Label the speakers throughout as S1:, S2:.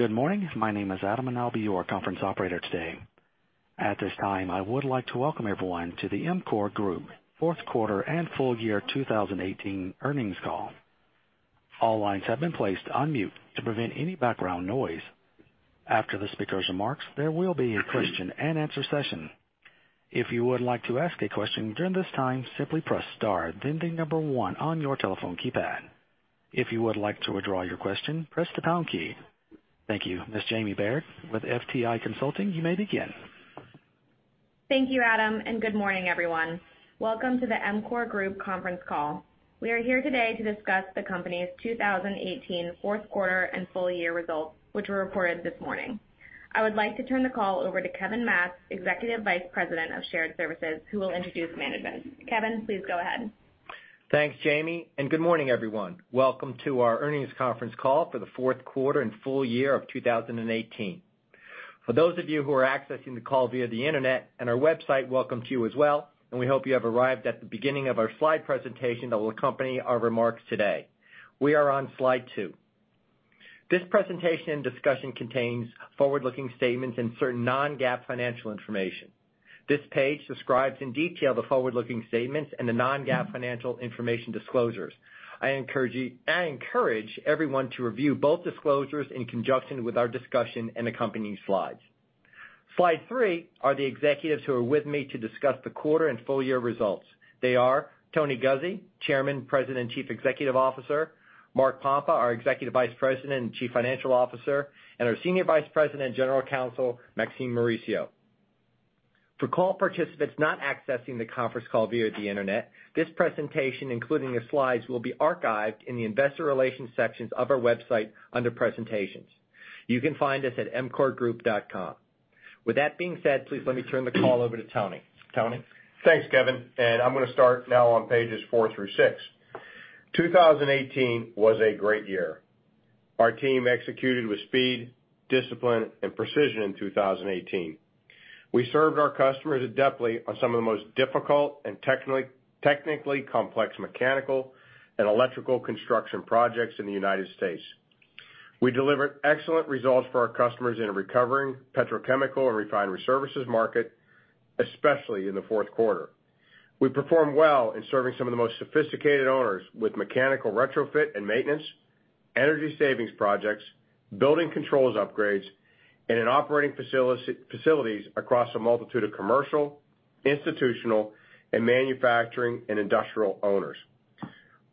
S1: Good morning. My name is Adam, and I'll be your conference operator today. At this time, I would like to welcome everyone to the EMCOR Group fourth quarter and full year 2018 earnings call. All lines have been placed on mute to prevent any background noise. After the speaker's remarks, there will be a question and answer session. If you would like to ask a question during this time, simply press star, then the number one on your telephone keypad. If you would like to withdraw your question, press the pound key. Thank you. Ms. Jamie Baird with FTI Consulting, you may begin.
S2: Thank you, Adam. Good morning, everyone. Welcome to the EMCOR Group conference call. We are here today to discuss the company's 2018 fourth quarter and full year results, which were reported this morning. I would like to turn the call over to Kevin Matz, Executive Vice President of Shared Services, who will introduce management. Kevin, please go ahead.
S3: Thanks, Jamie. Good morning, everyone. Welcome to our earnings conference call for the fourth quarter and full year of 2018. For those of you who are accessing the call via the internet and our website, welcome to you as well. We hope you have arrived at the beginning of our slide presentation that will accompany our remarks today. We are on slide two. This presentation and discussion contains forward-looking statements and certain non-GAAP financial information. This page describes in detail the forward-looking statements and the non-GAAP financial information disclosures. I encourage everyone to review both disclosures in conjunction with our discussion and accompanying slides. Slide three are the executives who are with me to discuss the quarter and full year results. They are Tony Guzzi, Chairman, President, and Chief Executive Officer, Mark Pompa, our Executive Vice President and Chief Financial Officer, and our Senior Vice President and General Counsel, Maxine Mauricio. For call participants not accessing the conference call via the internet, this presentation, including the slides, will be archived in the investor relations sections of our website under presentations. You can find us at emcorgroup.com. With that being said, please let me turn the call over to Tony. Tony?
S4: Thanks, Kevin Matz. I'm going to start now on pages four through six. 2018 was a great year. Our team executed with speed, discipline, and precision in 2018. We served our customers adeptly on some of the most difficult and technically complex mechanical and electrical construction projects in the U.S. We delivered excellent results for our customers in a recovering petrochemical and refinery services market, especially in the fourth quarter. We performed well in serving some of the most sophisticated owners with mechanical retrofit and maintenance, energy savings projects, building controls upgrades, and in operating facilities across a multitude of commercial, institutional, and manufacturing and industrial owners.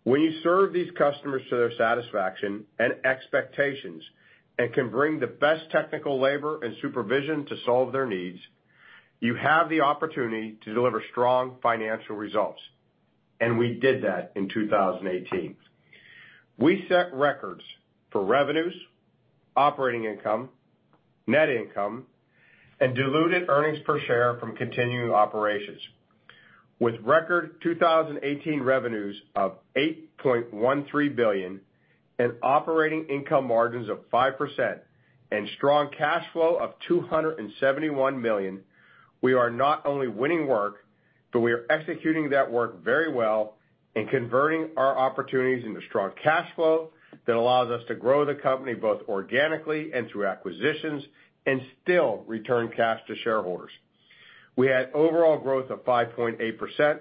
S4: When you serve these customers to their satisfaction and expectations and can bring the best technical labor and supervision to solve their needs, you have the opportunity to deliver strong financial results, and we did that in 2018. We set records for revenues, operating income, net income, and diluted earnings per share from continuing operations. With record 2018 revenues of $8.13 billion and operating income margins of 5% and strong cash flow of $271 million, we are not only winning work, we are executing that work very well and converting our opportunities into strong cash flow that allows us to grow the company both organically and through acquisitions and still return cash to shareholders. We had overall growth of 5.8%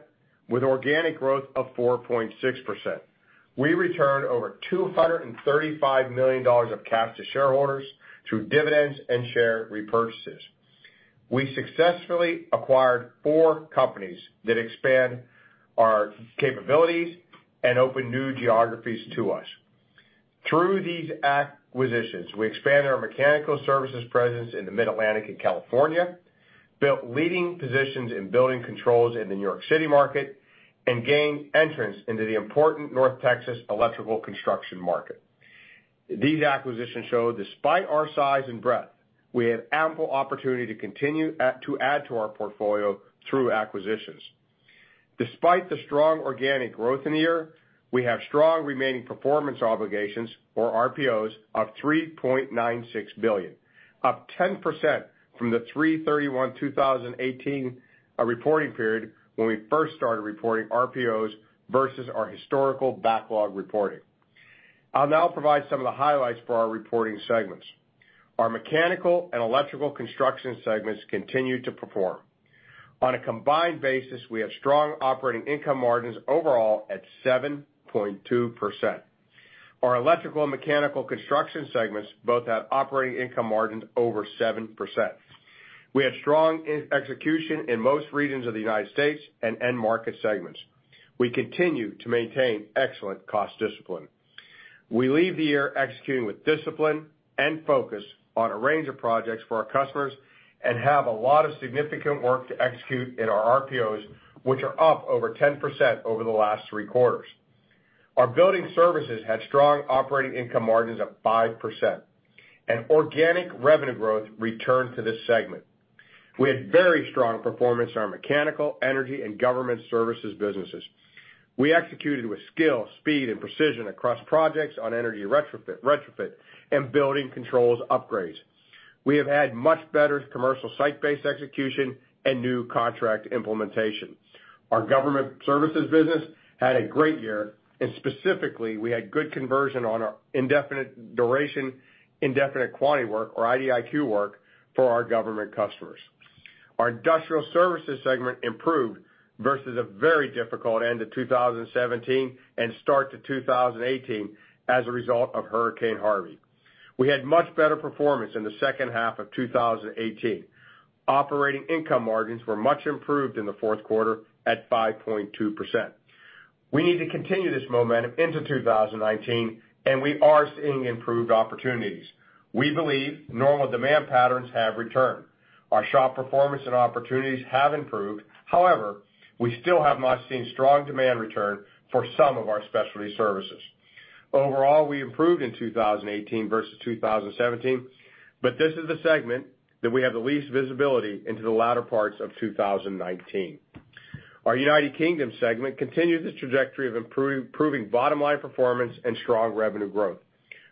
S4: with organic growth of 4.6%. We returned over $235 million of cash to shareholders through dividends and share repurchases. We successfully acquired four companies that expand our capabilities and open new geographies to us. Through these acquisitions, we expanded our mechanical services presence in the Mid-Atlantic and California, built leading positions in building controls in the New York City market, and gained entrance into the important North Texas electrical construction market. These acquisitions show, despite our size and breadth, we have ample opportunity to continue to add to our portfolio through acquisitions. Despite the strong organic growth in the year, we have strong Remaining Performance Obligations or RPOs of $3.96 billion, up 10% from the $331, 2018 reporting period when we first started reporting RPOs versus our historical backlog reporting. I'll now provide some of the highlights for our reporting segments. Our mechanical and electrical construction segments continue to perform. On a combined basis, we have strong operating income margins overall at 7.2%. Our electrical and mechanical construction segments both have operating income margins over 7%. We have strong execution in most regions of the U.S. and end market segments. We continue to maintain excellent cost discipline. We leave the year executing with discipline and focus on a range of projects for our customers and have a lot of significant work to execute in our RPOs, which are up over 10% over the last three quarters. Our building services had strong operating income margins of 5%, organic revenue growth returned to this segment. We had very strong performance in our mechanical energy and government services businesses. We executed with skill, speed, and precision across projects on energy retrofit and building controls upgrades. We have had much better commercial site-based execution and new contract implementation. Our government services business had a great year, specifically, we had good conversion on our indefinite duration, indefinite quantity work, or IDIQ work, for our government customers. Our industrial services segment improved versus a very difficult end of 2017 and start to 2018 as a result of Hurricane Harvey. We had much better performance in the second half of 2018. Operating income margins were much improved in the fourth quarter at 5.2%. We need to continue this momentum into 2019. We are seeing improved opportunities. We believe normal demand patterns have returned. Our shop performance and opportunities have improved. We still have not seen strong demand return for some of our specialty services. We improved in 2018 versus 2017, but this is the segment that we have the least visibility into the latter parts of 2019. Our United Kingdom segment continues its trajectory of improving bottom-line performance and strong revenue growth.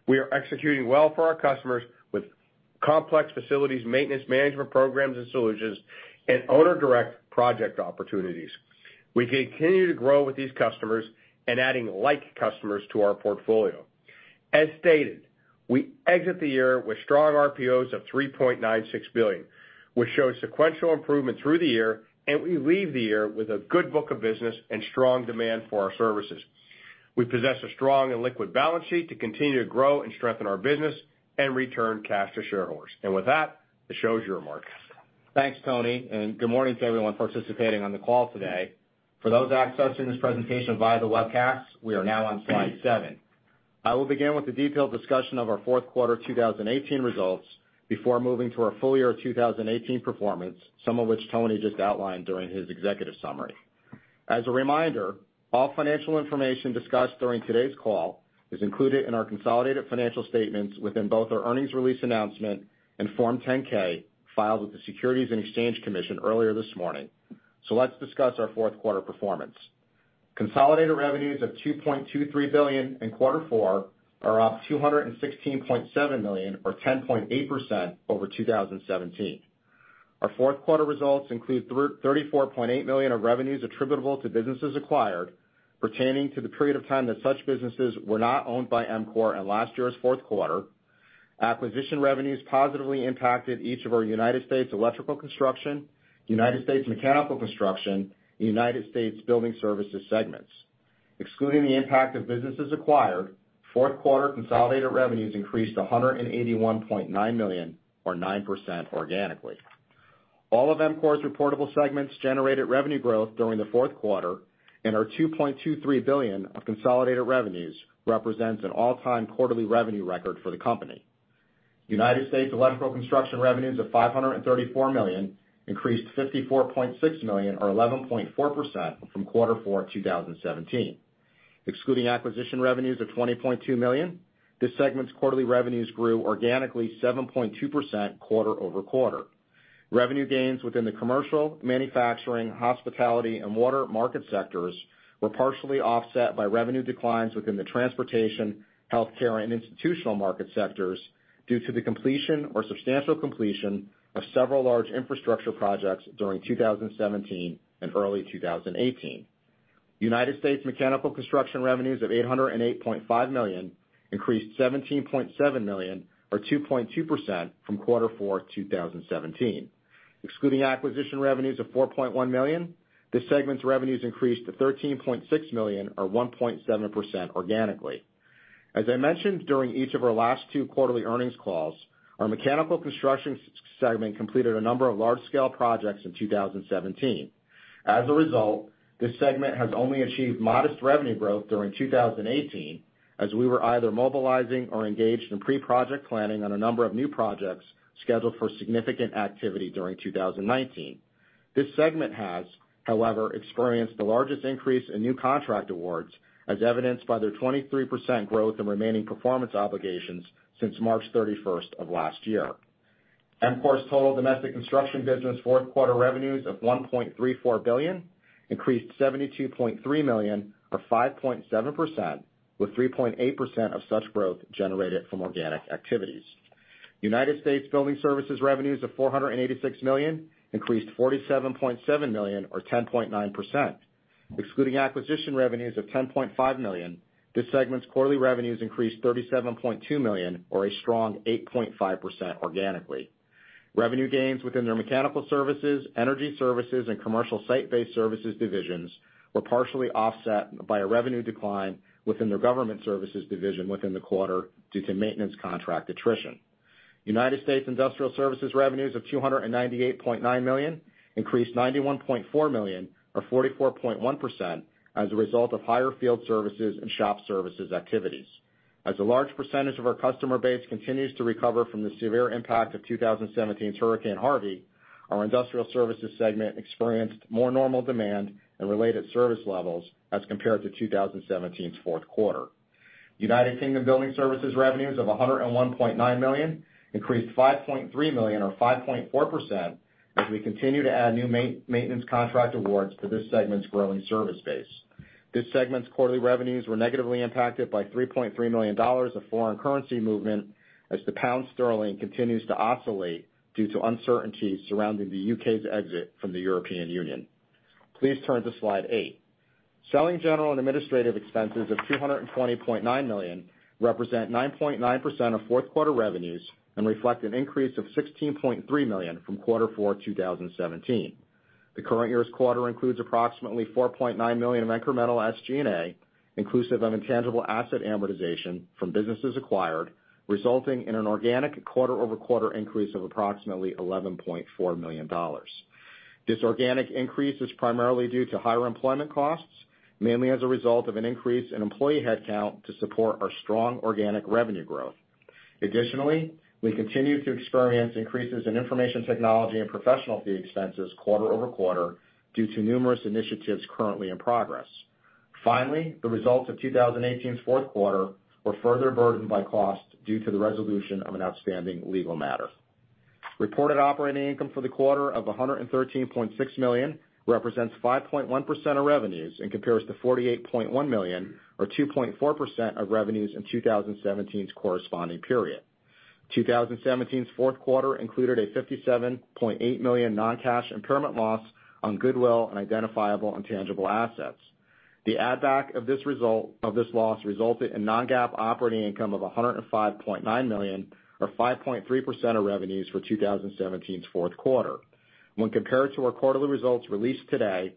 S4: We are executing well for our customers with complex facilities, maintenance management programs and solutions, and owner direct project opportunities. We continue to grow with these customers, adding like customers to our portfolio. As stated, we exit the year with strong RPOs of $3.96 billion. We show sequential improvement through the year. We leave the year with a good book of business and strong demand for our services. We possess a strong and liquid balance sheet to continue to grow and strengthen our business and return cash to shareholders. With that, Mark, your mark.
S5: Thanks, Tony. Good morning to everyone participating on the call today. For those accessing this presentation via the webcast, we are now on slide seven. I will begin with a detailed discussion of our fourth quarter 2018 results before moving to our full year 2018 performance, some of which Tony just outlined during his executive summary. As a reminder, all financial information discussed during today's call is included in our consolidated financial statements within both our earnings release announcement and Form 10-K filed with the Securities and Exchange Commission earlier this morning. Let's discuss our fourth quarter performance. Consolidated revenues of $2.23 billion in quarter four are up $216.7 million or 10.8% over 2017. Our fourth quarter results include $34.8 million of revenues attributable to businesses acquired pertaining to the period of time that such businesses were not owned by EMCOR in last year's fourth quarter. Acquisition revenues positively impacted each of our United States Electrical Construction, United States Mechanical Construction, and United States Building Services segments. Excluding the impact of businesses acquired, fourth quarter consolidated revenues increased to $181.9 million or 9% organically. All of EMCOR's reportable segments generated revenue growth during the fourth quarter. Our $2.23 billion of consolidated revenues represents an all-time quarterly revenue record for the company. United States Electrical Construction revenues of $534 million increased $54.6 million or 11.4% from quarter four 2017. Excluding acquisition revenues of $20.2 million, this segment's quarterly revenues grew organically 7.2% quarter-over-quarter. Revenue gains within the commercial, manufacturing, hospitality, and water market sectors were partially offset by revenue declines within the transportation, healthcare, and institutional market sectors due to the completion or substantial completion of several large infrastructure projects during 2017 and early 2018. U.S. mechanical construction revenues of $808.5 million increased $17.7 million or 2.2% from quarter four 2017. Excluding acquisition revenues of $4.1 million, this segment's revenues increased to $13.6 million or 1.7% organically. As I mentioned during each of our last two quarterly earnings calls, our mechanical constructions segment completed a number of large-scale projects in 2017. As a result, this segment has only achieved modest revenue growth during 2018, as we were either mobilizing or engaged in pre-project planning on a number of new projects scheduled for significant activity during 2019. This segment has, however, experienced the largest increase in new contract awards, as evidenced by their 23% growth in Remaining Performance Obligations since March 31st of last year. EMCOR's total domestic construction business fourth quarter revenues of $1.34 billion increased $72.3 million or 5.7%, with 3.8% of such growth generated from organic activities. U.S. building services revenues of $486 million increased $47.7 million or 10.9%. Excluding acquisition revenues of $10.5 million, this segment's quarterly revenues increased $37.2 million or a strong 8.5% organically. Revenue gains within their mechanical services, energy services, and commercial site-based services divisions were partially offset by a revenue decline within their government services division within the quarter due to maintenance contract attrition. U.S. industrial services revenues of $298.9 million increased $91.4 million or 44.1% as a result of higher field services and shop services activities. As a large percentage of our customer base continues to recover from the severe impact of 2017's Hurricane Harvey, our industrial services segment experienced more normal demand and related service levels as compared to 2017's fourth quarter. U.K. building services revenues of $101.9 million increased $5.3 million or 5.4% as we continue to add new maintenance contract awards to this segment's growing service base. This segment's quarterly revenues were negatively impacted by $3.3 million of foreign currency movement as the pound sterling continues to oscillate due to uncertainties surrounding the U.K.'s exit from the European Union. Please turn to slide eight. Selling general and administrative expenses of $220.9 million represent 9.9% of fourth quarter revenues and reflect an increase of $16.3 million from quarter four 2017. The current year's quarter includes approximately $4.9 million of incremental SG&A, inclusive of intangible asset amortization from businesses acquired, resulting in an organic quarter-over-quarter increase of approximately $11.4 million. This organic increase is primarily due to higher employment costs, mainly as a result of an increase in employee headcount to support our strong organic revenue growth. Additionally, we continue to experience increases in information technology and professional fee expenses quarter-over-quarter due to numerous initiatives currently in progress. Finally, the results of 2018's fourth quarter were further burdened by cost due to the resolution of an outstanding legal matter. Reported operating income for the quarter of $113.6 million represents 5.1% of revenues and compares to $48.1 million or 2.4% of revenues in 2017's corresponding period. 2017's fourth quarter included a $57.8 million non-cash impairment loss on goodwill and identifiable intangible assets. The add back of this loss resulted in non-GAAP operating income of $105.9 million or 5.3% of revenues for 2017's fourth quarter. When compared to our quarterly results released today,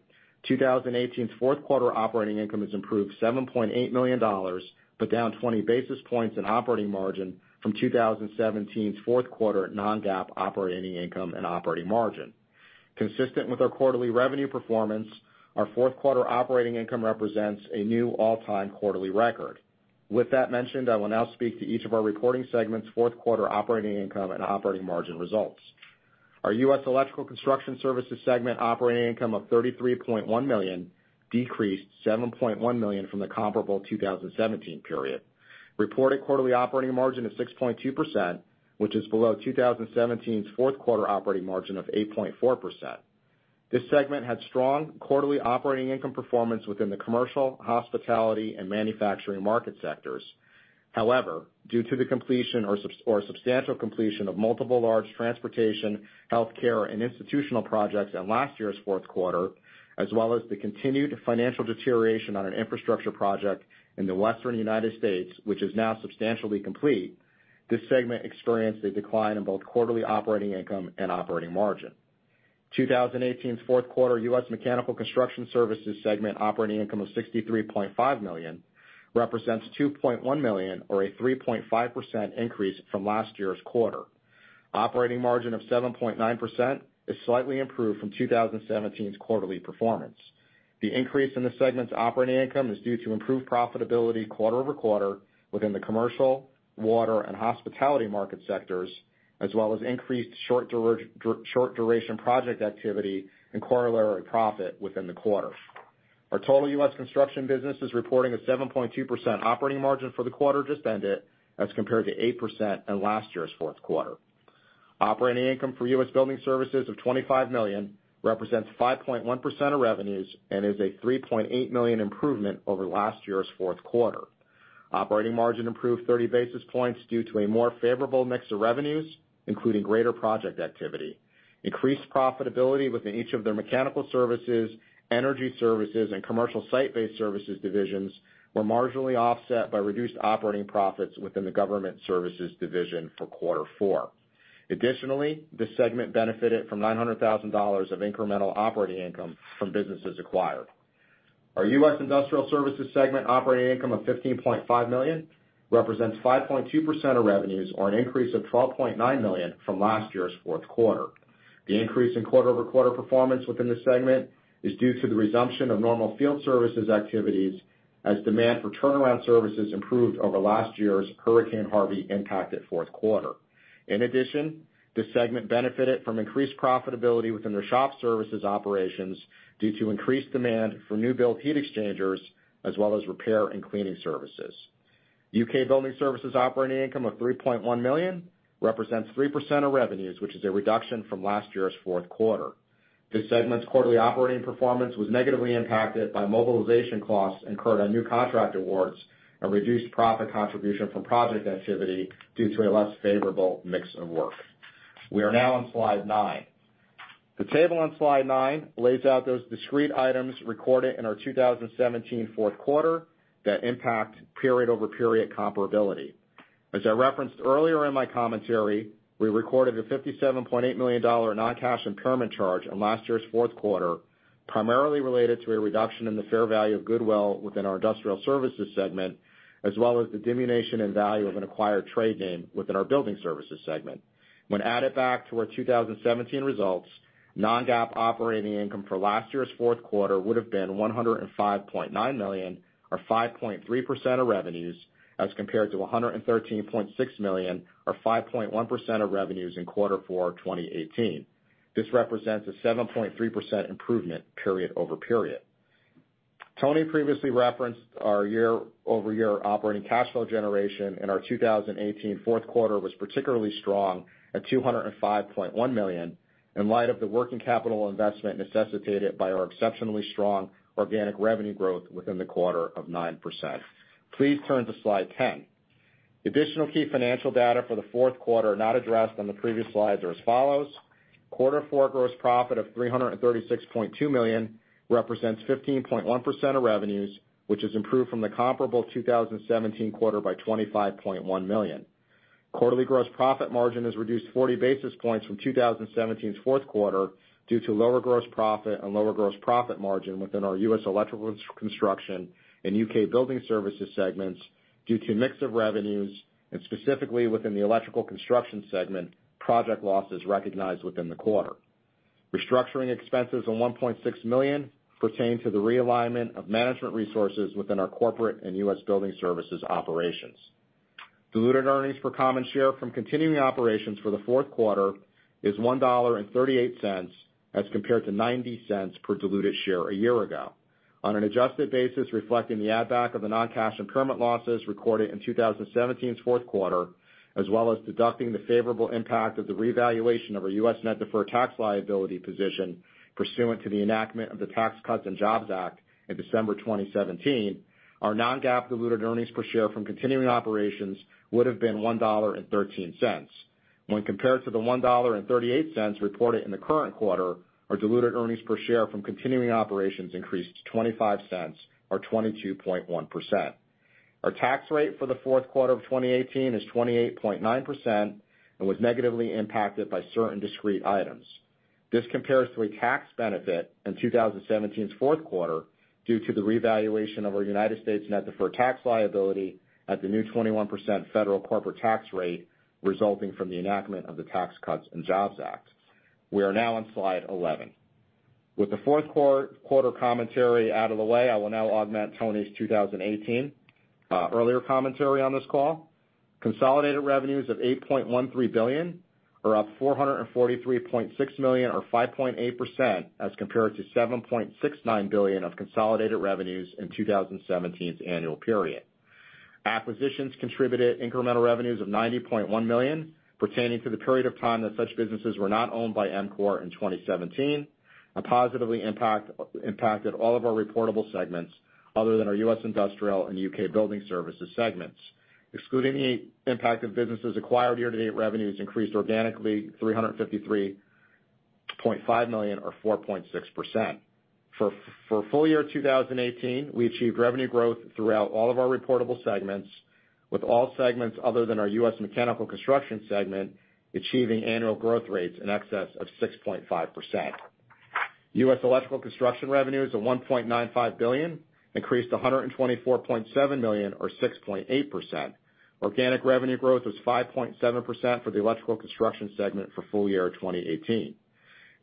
S5: 2018's fourth quarter operating income has improved $7.8 million, but down 20 basis points in operating margin from 2017's fourth quarter non-GAAP operating income and operating margin. Consistent with our quarterly revenue performance, our fourth quarter operating income represents a new all-time quarterly record. With that mentioned, I will now speak to each of our reporting segments' fourth quarter operating income and operating margin results. Our U.S. Electrical Construction Services segment operating income of $33.1 million decreased $7.1 million from the comparable 2017 period. Reported quarterly operating margin of 6.2%, which is below 2017's fourth quarter operating margin of 8.4%. This segment had strong quarterly operating income performance within the commercial, hospitality, and manufacturing market sectors. However, due to the completion or substantial completion of multiple large transportation, healthcare, and institutional projects in last year's fourth quarter, as well as the continued financial deterioration on an infrastructure project in the western U.S., which is now substantially complete, this segment experienced a decline in both quarterly operating income and operating margin. 2018's fourth quarter U.S. Mechanical Construction Services segment operating income of $63.5 million represents $2.1 million or a 3.5% increase from last year's quarter. Operating margin of 7.9% is slightly improved from 2017's quarterly performance. The increase in this segment's operating income is due to improved profitability quarter-over-quarter within the commercial, water, and hospitality market sectors, as well as increased short duration project activity and corollary profit within the quarter. Our total U.S. construction business is reporting a 7.2% operating margin for the quarter just ended as compared to 8% in last year's fourth quarter. Operating income for U.S. Building Services of $25 million represents 5.1% of revenues and is a $3.8 million improvement over last year's fourth quarter. Operating margin improved 30 basis points due to a more favorable mix of revenues, including greater project activity. Increased profitability within each of their mechanical services, energy services, and commercial site-based services divisions were marginally offset by reduced operating profits within the government services division for quarter four. Additionally, this segment benefited from $900,000 of incremental operating income from businesses acquired. Our U.S. Industrial Services segment operating income of $15.5 million represents 5.2% of revenues or an increase of $12.9 million from last year's fourth quarter. The increase in quarter-over-quarter performance within this segment is due to the resumption of normal field services activities as demand for turnaround services improved over last year's Hurricane Harvey impacted fourth quarter. In addition, this segment benefited from increased profitability within their shop services operations due to increased demand for new build heat exchangers as well as repair and cleaning services. U.K. Building Services operating income of $3.1 million represents 3% of revenues, which is a reduction from last year's fourth quarter. This segment's quarterly operating performance was negatively impacted by mobilization costs incurred on new contract awards and reduced profit contribution from project activity due to a less favorable mix of work. We are now on slide nine. The table on slide nine lays out those discrete items recorded in our 2017 fourth quarter that impact period-over-period comparability. As I referenced earlier in my commentary, we recorded a $57.8 million non-cash impairment charge in last year's fourth quarter, primarily related to a reduction in the fair value of goodwill within our Industrial Services segment, as well as the diminution in value of an acquired trade name within our Building Services segment. When added back to our 2017 results, non-GAAP operating income for last year's fourth quarter would have been $105.9 million or 5.3% of revenues as compared to $113.6 million or 5.1% of revenues in quarter four 2018. This represents a 7.3% improvement period over period. Tony previously referenced our year-over-year operating cash flow generation in our 2018 fourth quarter was particularly strong at $205.1 million in light of the working capital investment necessitated by our exceptionally strong organic revenue growth within the quarter of 9%. Please turn to slide 10. Additional key financial data for the fourth quarter not addressed on the previous slides are as follows. Quarter four gross profit of $336.2 million represents 15.1% of revenues, which has improved from the comparable 2017 quarter by $25.1 million. Quarterly gross profit margin has reduced 40 basis points from 2017's fourth quarter due to lower gross profit and lower gross profit margin within our U.S. electrical construction and U.K. building services segments due to mix of revenues, and specifically within the electrical construction segment, project losses recognized within the quarter. Restructuring expenses of $1.6 million pertain to the realignment of management resources within our corporate and U.S. building services operations. Diluted earnings per common share from continuing operations for the fourth quarter is $1.38 as compared to $0.90 per diluted share a year ago. On an adjusted basis, reflecting the add back of the non-cash impairment losses recorded in 2017's fourth quarter, as well as deducting the favorable impact of the revaluation of our U.S. net deferred tax liability position pursuant to the enactment of the Tax Cuts and Jobs Act in December 2017, our non-GAAP diluted earnings per share from continuing operations would've been $1.13. When compared to the $1.38 reported in the current quarter, our diluted earnings per share from continuing operations increased to $0.25 or 22.1%. Our tax rate for the fourth quarter of 2018 is 28.9% and was negatively impacted by certain discrete items. This compares to a tax benefit in 2017's fourth quarter due to the revaluation of our U.S. net deferred tax liability at the new 21% federal corporate tax rate, resulting from the enactment of the Tax Cuts and Jobs Act. We are now on slide 11. With the fourth quarter commentary out of the way, I will now augment Tony's 2018 earlier commentary on this call. Consolidated revenues of $8.13 billion are up $443.6 million or 5.8% as compared to $7.69 billion of consolidated revenues in 2017's annual period. Acquisitions contributed incremental revenues of $90.1 million pertaining to the period of time that such businesses were not owned by EMCOR in 2017 and positively impacted all of our reportable segments other than our U.S. industrial and U.K. building services segments. Excluding the impact of businesses acquired, year-to-date revenues increased organically $353.5 million, or 4.6%. For full year 2018, we achieved revenue growth throughout all of our reportable segments, with all segments other than our U.S. mechanical construction segment achieving annual growth rates in excess of 6.5%. U.S. electrical construction revenues of $1.95 billion increased $124.7 million or 6.8%. Organic revenue growth was 5.7% for the electrical construction segment for full year 2018.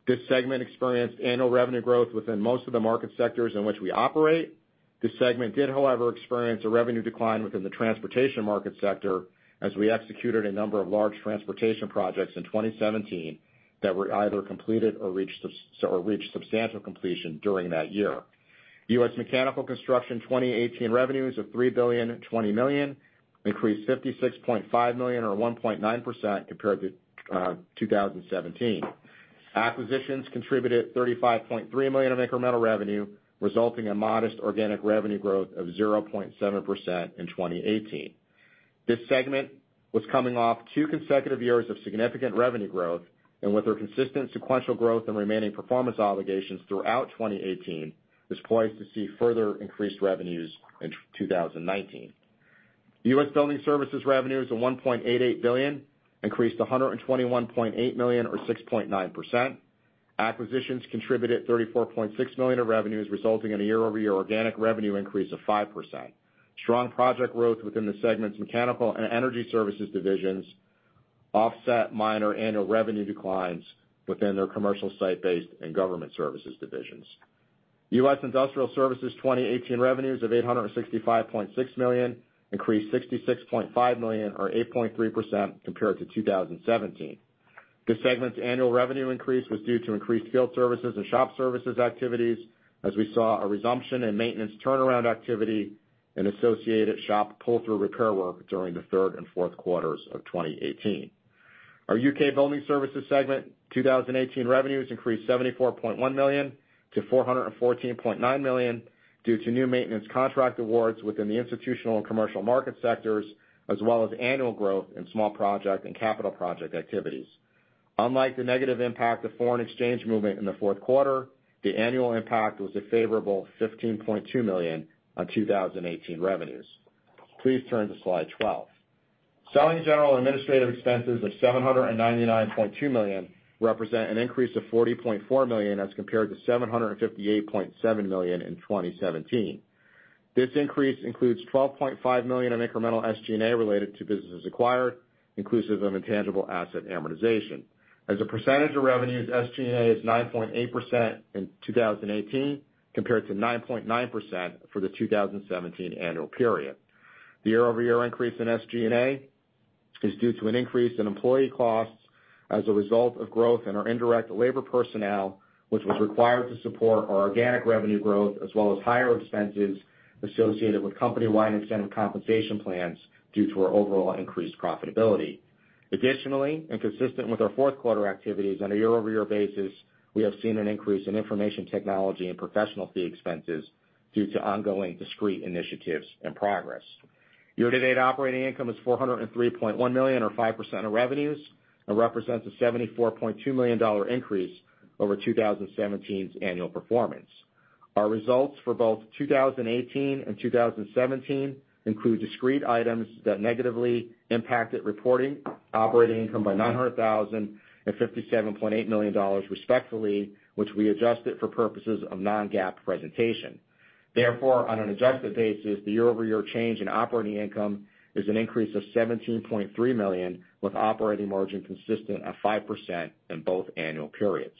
S5: This segment experienced annual revenue growth within most of the market sectors in which we operate. This segment did, however, experience a revenue decline within the transportation market sector as we executed a number of large transportation projects in 2017 that were either completed or reached substantial completion during that year. U.S. mechanical construction 2018 revenues of $3,020,000 increased $56.5 million or 1.9% compared to 2017. Acquisitions contributed $35.3 million of incremental revenue, resulting in modest organic revenue growth of 0.7% in 2018. This segment was coming off two consecutive years of significant revenue growth, and with our consistent sequential growth and Remaining Performance Obligations throughout 2018, is poised to see further increased revenues in 2019. U.S. building services revenues of $1.88 billion increased to $121.8 million or 6.9%. Acquisitions contributed $34.6 million of revenues, resulting in a year-over-year organic revenue increase of 5%. Strong project growth within the segment's mechanical and energy services divisions offset minor annual revenue declines within their commercial site-based and government services divisions. U.S. industrial services 2018 revenues of $865.6 million increased $66.5 million or 8.3% compared to 2017. This segment's annual revenue increase was due to increased field services and shop services activities as we saw a resumption in maintenance turnaround activity and associated shop pull-through repair work during the third and fourth quarters of 2018. Our U.K. building services segment 2018 revenues increased $74.1 million to $414.9 million due to new maintenance contract awards within the institutional and commercial market sectors, as well as annual growth in small project and capital project activities. Unlike the negative impact of foreign exchange movement in the fourth quarter, the annual impact was a favorable $15.2 million on 2018 revenues. Please turn to slide 12. Selling, general, and administrative expenses of $799.2 million represent an increase of $40.4 million as compared to $758.7 million in 2017. This increase includes $12.5 million in incremental SG&A related to businesses acquired inclusive of intangible asset amortization. As a percentage of revenues, SG&A is 9.8% in 2018 compared to 9.9% for the 2017 annual period. The year-over-year increase in SG&A is due to an increase in employee costs as a result of growth in our indirect labor personnel, which was required to support our organic revenue growth, as well as higher expenses associated with company-wide incentive compensation plans due to our overall increased profitability. Consistent with our fourth quarter activities on a year-over-year basis, we have seen an increase in information technology and professional fee expenses due to ongoing discrete initiatives and progress. Year-to-date operating income is $403.1 million or 5% of revenues and represents a $74.2 million increase over 2017's annual performance. Our results for both 2018 and 2017 include discrete items that negatively impacted reporting operating income by $900,000 and $57.8 million respectively, which we adjusted for purposes of non-GAAP presentation. On an adjusted basis, the year-over-year change in operating income is an increase of $17.3 million, with operating margin consistent at 5% in both annual periods.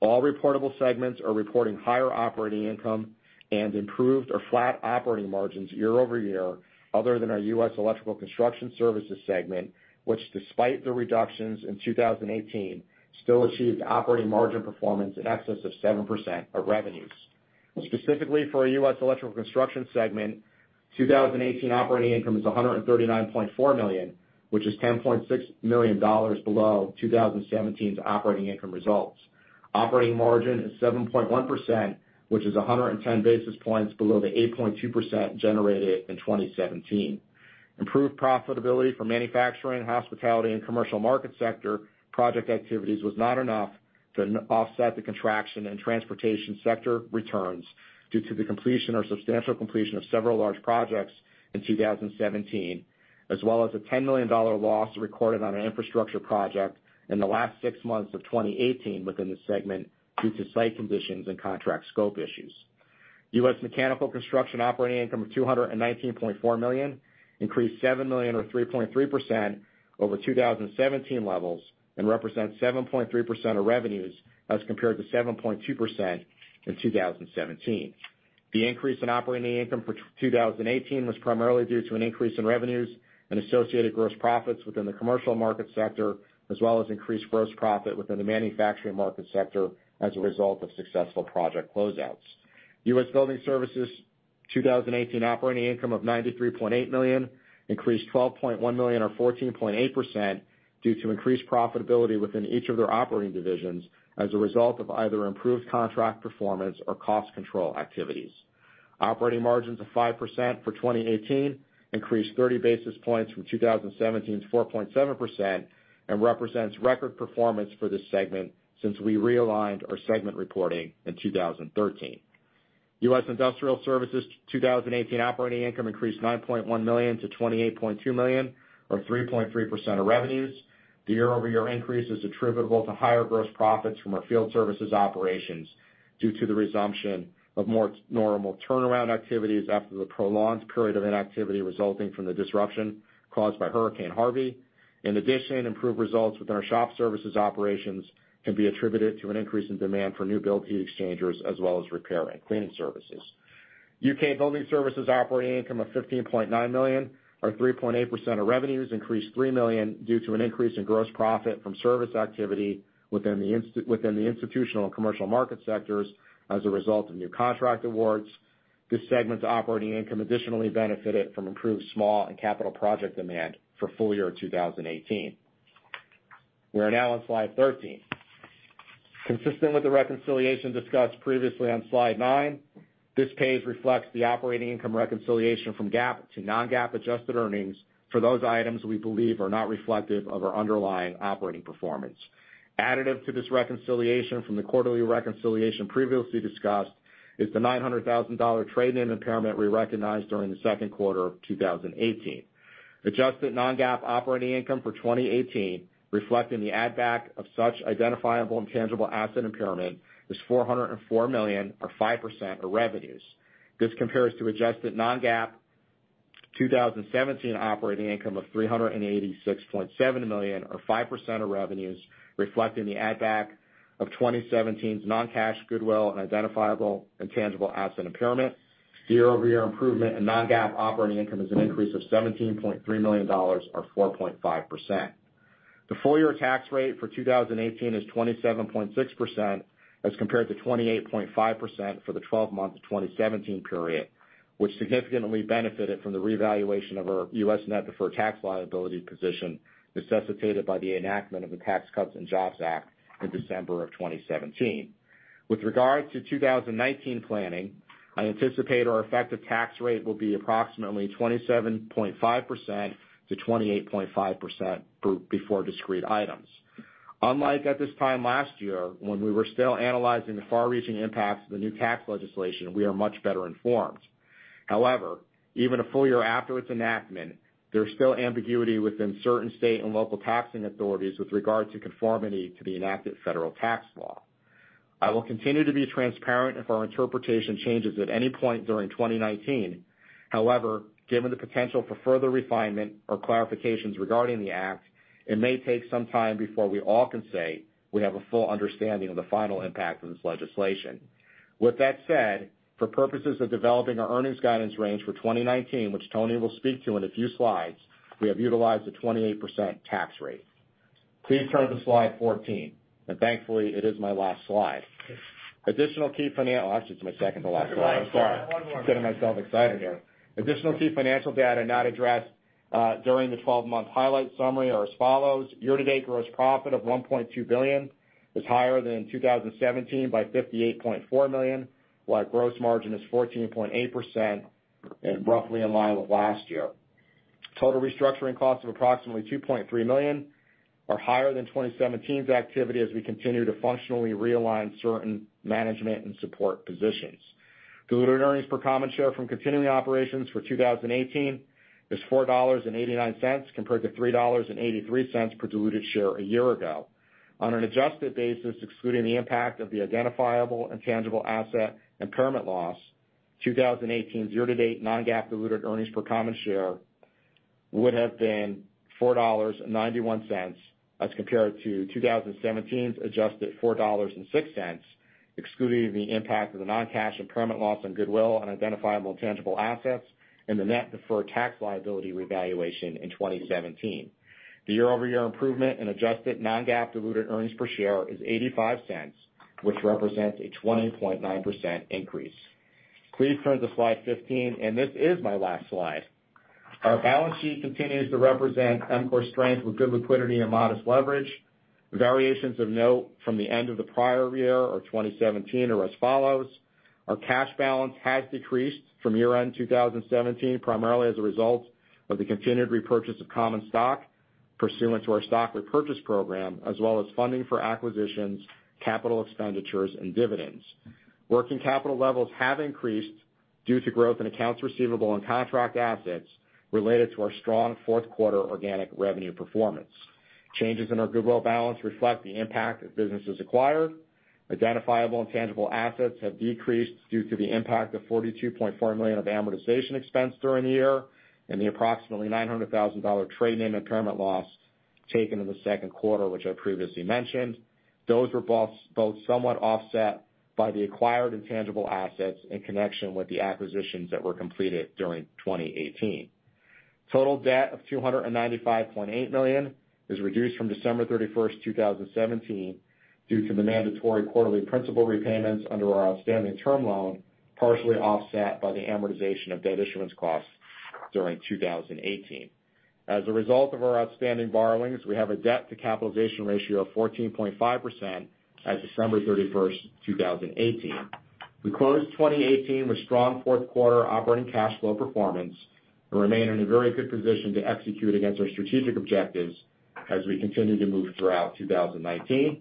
S5: All reportable segments are reporting higher operating income and improved or flat operating margins year-over-year, other than our U.S. Electrical Construction Services segment, which despite the reductions in 2018, still achieved operating margin performance in excess of 7% of revenues. Specifically for our U.S. Electrical Construction segment, 2018 operating income is $139.4 million, which is $10.6 million below 2017's operating income results. Operating margin is 7.1%, which is 110 basis points below the 8.2% generated in 2017. Improved profitability for manufacturing, hospitality and commercial market sector project activities was not enough to offset the contraction in transportation sector returns due to the completion or substantial completion of several large projects in 2017, as well as a $10 million loss recorded on an infrastructure project in the last six months of 2018 within the segment due to site conditions and contract scope issues. U.S. Mechanical Construction operating income of $219.4 million increased $7 million or 3.3% over 2017 levels and represents 7.3% of revenues as compared to 7.2% in 2017. The increase in operating income for 2018 was primarily due to an increase in revenues and associated gross profits within the commercial market sector, as well as increased gross profit within the manufacturing market sector as a result of successful project closeouts. U.S. Building Services' 2018 operating income of $93.8 million increased $12.1 million or 14.8% due to increased profitability within each of their operating divisions as a result of either improved contract performance or cost control activities. Operating margins of 5% for 2018 increased thirty basis points from 2017's 4.7% and represents record performance for this segment since we realigned our segment reporting in 2013. U.S. Industrial Services 2018 operating income increased $9.1 million to $28.2 million or 3.3% of revenues. The year-over-year increase is attributable to higher gross profits from our field services operations due to the resumption of more normal turnaround activities after the prolonged period of inactivity resulting from the disruption caused by Hurricane Harvey. In addition, improved results within our shop services operations can be attributed to an increase in demand for new build heat exchangers as well as repair and cleaning services. U.K. Building Services operating income of $15.9 million or 3.8% of revenues increased $3 million due to an increase in gross profit from service activity within the institutional and commercial market sectors as a result of new contract awards. This segment's operating income additionally benefited from improved small and capital project demand for full year 2018. We are now on slide 13. Consistent with the reconciliation discussed previously on slide nine, this page reflects the operating income reconciliation from GAAP to non-GAAP adjusted earnings for those items we believe are not reflective of our underlying operating performance. Additive to this reconciliation from the quarterly reconciliation previously discussed is the $900,000 trade-in impairment we recognized during the second quarter of 2018. Adjusted non-GAAP operating income for 2018, reflecting the add back of such identifiable and tangible asset impairment, is $404 million or 5% of revenues. This compares to adjusted non-GAAP 2017 operating income of $386.7 million or 5% of revenues, reflecting the add back of 2017's non-cash goodwill and identifiable intangible asset impairment. Year-over-year improvement in non-GAAP operating income is an increase of $17.3 million or 4.5%. The full-year tax rate for 2018 is 27.6% as compared to 28.5% for the 12 months of 2017 period, which significantly benefited from the revaluation of our U.S. net deferred tax liability position necessitated by the enactment of the Tax Cuts and Jobs Act in December of 2017. With regard to 2019 planning, I anticipate our effective tax rate will be approximately 27.5%-28.5% before discrete items. Unlike at this time last year when we were still analyzing the far-reaching impacts of the new tax legislation, we are much better informed. However, even a full year after its enactment, there's still ambiguity within certain state and local taxing authorities with regard to conformity to the enacted federal tax law. I will continue to be transparent if our interpretation changes at any point during 2019. However, given the potential for further refinement or clarifications regarding the Act, it may take some time before we all can say we have a full understanding of the final impact of this legislation. With that said, for purposes of developing our earnings guidance range for 2019, which Tony will speak to in a few slides, we have utilized a 28% tax rate. Please turn to slide 14, and thankfully it is my last slide. Oh, actually it's my second to last slide. I'm sorry.
S6: One more.
S5: I'm getting myself excited here. Additional key financial data not addressed during the 12-month highlight summary are as follows. Year-to-date gross profit of $1.2 billion is higher than in 2017 by $58.4 million, while gross margin is 14.8% and roughly in line with last year. Total restructuring costs of approximately $2.3 million are higher than 2017's activity as we continue to functionally realign certain management and support positions. Diluted earnings per common share from continuing operations for 2018 is $4.89, compared to $3.83 per diluted share a year ago. On an adjusted basis, excluding the impact of the identifiable and tangible asset impairment loss, 2018's year-to-date non-GAAP diluted earnings per common share would have been $4.91, as compared to 2017's adjusted $4.06, excluding the impact of the non-cash impairment loss on goodwill on identifiable intangible assets and the net deferred tax liability revaluation in 2017. The year-over-year improvement in adjusted non-GAAP diluted earnings per share is $0.85, which represents a 20.9% increase. Please turn to slide 15, and this is my last slide. Our balance sheet continues to represent EMCOR's strength with good liquidity and modest leverage. Variations of note from the end of the prior year or 2017 are as follows. Our cash balance has decreased from year-end 2017, primarily as a result of the continued repurchase of common stock pursuant to our stock repurchase program, as well as funding for acquisitions, capital expenditures, and dividends. Working capital levels have increased due to growth in accounts receivable and contract assets related to our strong fourth quarter organic revenue performance. Changes in our goodwill balance reflect the impact of businesses acquired. Identifiable and tangible assets have decreased due to the impact of $42.4 million of amortization expense during the year and the approximately $900,000 trade name impairment loss taken in the second quarter, which I previously mentioned. Those were both somewhat offset by the acquired intangible assets in connection with the acquisitions that were completed during 2018. Total debt of $295.8 million is reduced from December 31st, 2017, due to the mandatory quarterly principal repayments under our outstanding term loan, partially offset by the amortization of debt issuance costs during 2018. As a result of our outstanding borrowings, we have a debt-to-capitalization ratio of 14.5% as of December 31st, 2018. We closed 2018 with strong fourth-quarter operating cash flow performance and remain in a very good position to execute against our strategic objectives as we continue to move throughout 2019.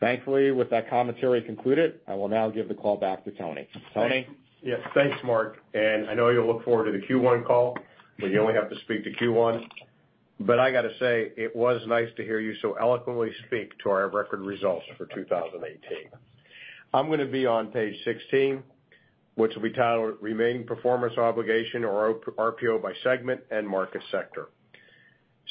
S5: Thankfully, with that commentary concluded, I will now give the call back to Tony. Tony?
S4: Yes, thanks, Mark. I know you'll look forward to the Q1 call, where you only have to speak to Q1. I got to say, it was nice to hear you so eloquently speak to our record results for 2018. I'm going to be on page 16, which will be titled Remaining Performance Obligation or RPO by Segment and Market Sector.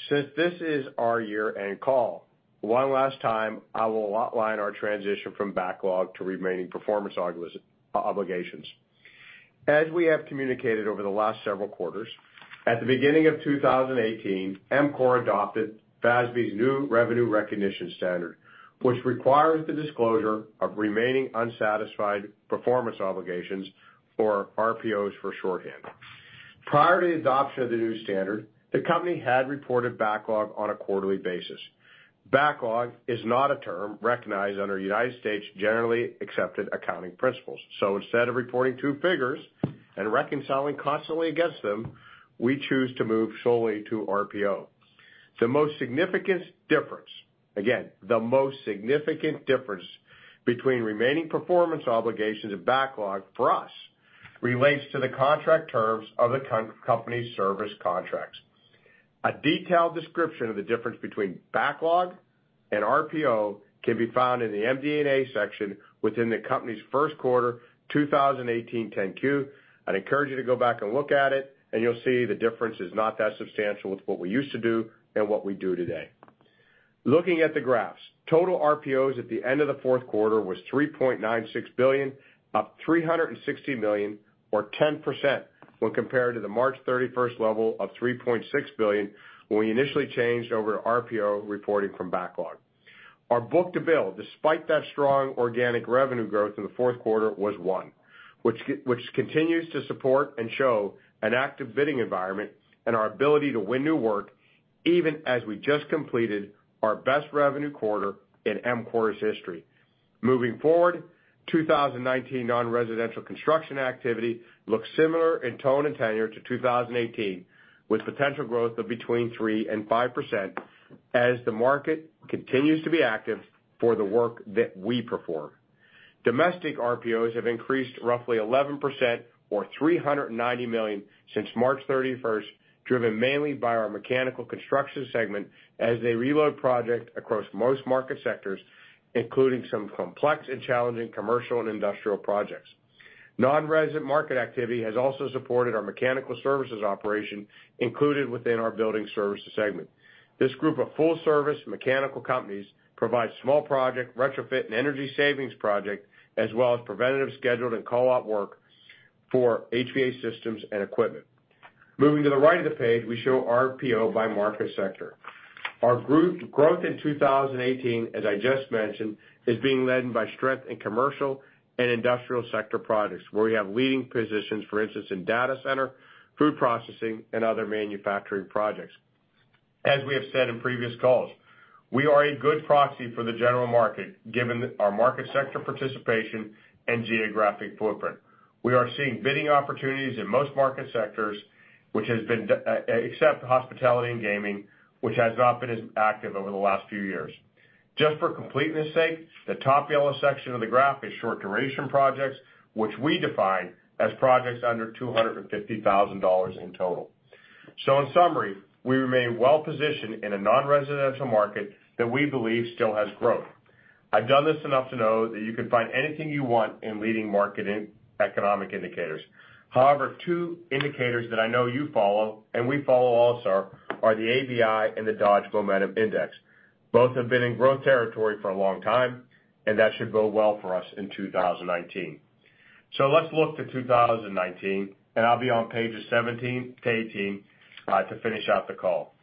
S4: Since this is our year-end call, one last time, I will outline our transition from backlog to remaining performance obligations. As we have communicated over the last several quarters, at the beginning of 2018, EMCOR adopted FASB's new revenue recognition standard, which requires the disclosure of remaining unsatisfied performance obligations or RPOs for shorthand. Prior to the adoption of the new standard, the company had reported backlog on a quarterly basis. Backlog is not a term recognized under United States generally accepted accounting principles. Instead of reporting two figures and reconciling constantly against them, we choose to move solely to RPO. The most significant difference, again, the most significant difference between remaining performance obligations and backlog for us relates to the contract terms of the company's service contracts. A detailed description of the difference between backlog and RPO can be found in the MD&A section within the company's first quarter 2018 10-Q. I'd encourage you to go back and look at it, and you'll see the difference is not that substantial with what we used to do and what we do today. Looking at the graphs, total RPOs at the end of the fourth quarter was $3.96 billion, up $360 million or 10% when compared to the March 31st level of $3.6 billion when we initially changed over to RPO reporting from backlog. Our book-to-bill, despite that strong organic revenue growth in the fourth quarter, was one, which continues to support and show an active bidding environment and our ability to win new work, even as we just completed our best revenue quarter in EMCOR's history. Moving forward, 2019 non-residential construction activity looks similar in tone and tenor to 2018, with potential growth of between 3% and 5% as the market continues to be active for the work that we perform. Domestic RPOs have increased roughly 11% or $390 million since March 31st, driven mainly by our mechanical construction segment as they reload project across most market sectors, including some complex and challenging commercial and industrial projects. Non-residential market activity has also supported our mechanical services operation included within our building services segment. This group of full-service mechanical companies provides small project retrofit and energy savings project, as well as preventative scheduled and call-out work for HVAC systems and equipment. Moving to the right of the page, we show RPO by market sector. Our growth in 2018, as I just mentioned, is being led by strength in commercial and industrial sector projects, where we have leading positions, for instance, in data center, food processing, and other manufacturing projects. As we have said in previous calls, we are a good proxy for the general market, given our market sector participation and geographic footprint. We are seeing bidding opportunities in most market sectors, except hospitality and gaming, which has not been as active over the last few years. Just for completeness' sake, the top yellow section of the graph is short-duration projects, which we define as projects under $250,000 in total. In summary, we remain well-positioned in a non-residential market that we believe still has growth. I've done this enough to know that you can find anything you want in leading market economic indicators. However, two indicators that I know you follow, and we follow also, are the ABI and the Dodge Momentum Index. Both have been in growth territory for a long time, and that should bode well for us in 2019. Let's look to 2019, and I'll be on pages 17 to 18 to finish out the call.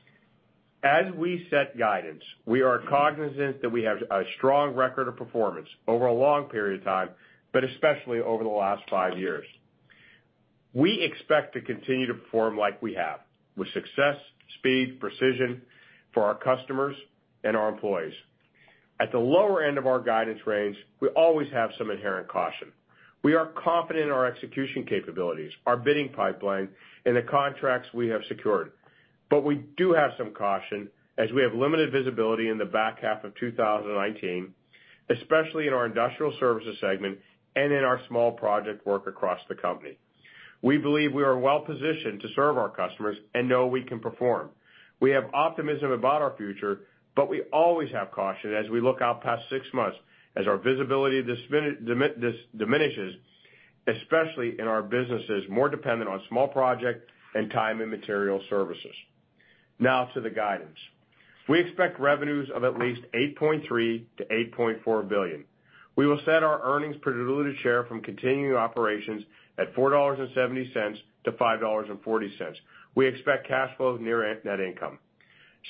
S4: As we set guidance, we are cognizant that we have a strong record of performance over a long period of time, but especially over the last five years. We expect to continue to perform like we have, with success, speed, precision for our customers and our employees. At the lower end of our guidance range, we always have some inherent caution. We are confident in our execution capabilities, our bidding pipeline, and the contracts we have secured. We do have some caution, as we have limited visibility in the back half of 2019, especially in our Industrial Services Segment and in our small project work across the company. We believe we are well-positioned to serve our customers and know we can perform. We have optimism about our future, but we always have caution as we look out past six months as our visibility diminishes, especially in our businesses more dependent on small projects and time and material services. To the guidance. We expect revenues of at least $8.3 billion to $8.4 billion. We will set our earnings per diluted share from continuing operations at $4.70 to $5.40. We expect cash flow near net income.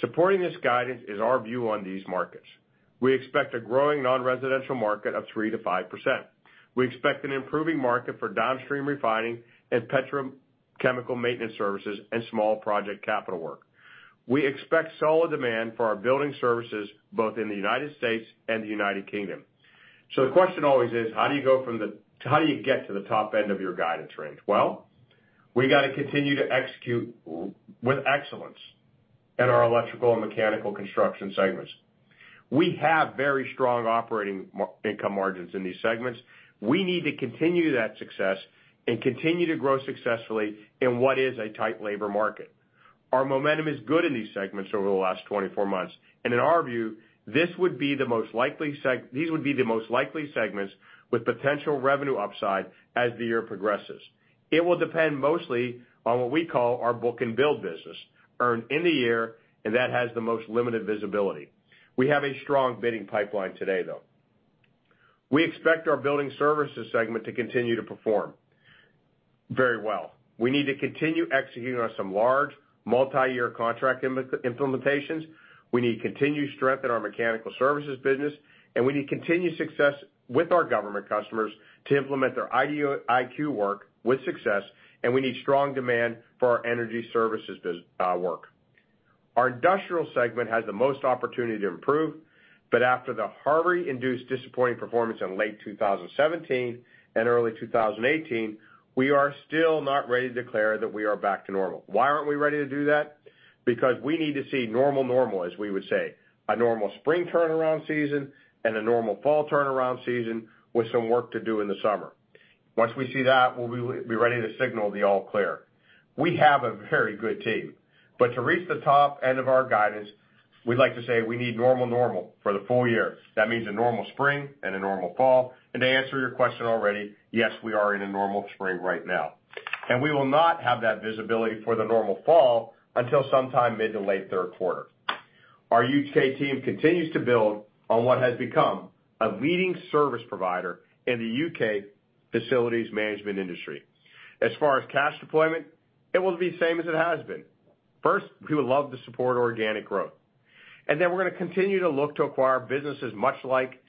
S4: Supporting this guidance is our view on these markets. We expect a growing non-residential market of 3%-5%. We expect an improving market for downstream refining and petrochemical maintenance services and small project capital work. We expect solid demand for our building services both in the U.S. and the U.K. The question always is, how do you get to the top end of your guidance range? We got to continue to execute with excellence in our electrical and mechanical construction segments. We have very strong operating income margins in these segments. We need to continue that success and continue to grow successfully in what is a tight labor market. Our momentum is good in these segments over the last 24 months, and in our view, these would be the most likely segments with potential revenue upside as the year progresses. It will depend mostly on what we call our book-and-bill business, earned in the year, and that has the most limited visibility. We have a strong bidding pipeline today, though. We expect our building services segment to continue to perform very well. We need to continue executing on some large multi-year contract implementations, we need continued strength in our mechanical services business, and we need continued success with our government customers to implement their ID/IQ work with success, and we need strong demand for our energy services work. Our industrial segment has the most opportunity to improve, but after the Harvey-induced disappointing performance in late 2017 and early 2018, we are still not ready to declare that we are back to normal. Why aren't we ready to do that? We need to see normal, as we would say. A normal spring turnaround season and a normal fall turnaround season with some work to do in the summer. Once we see that, we'll be ready to signal the all clear. We have a very good team, but to reach the top end of our guidance, we'd like to say we need normal for the full year. That means a normal spring and a normal fall. To answer your question already, yes, we are in a normal spring right now. We will not have that visibility for the normal fall until sometime mid to late third quarter. Our U.K. team continues to build on what has become a leading service provider in the U.K. facilities management industry. As far as cash deployment, it will be same as it has been. First, we would love to support organic growth. Then we're going to continue to look to acquire businesses, much like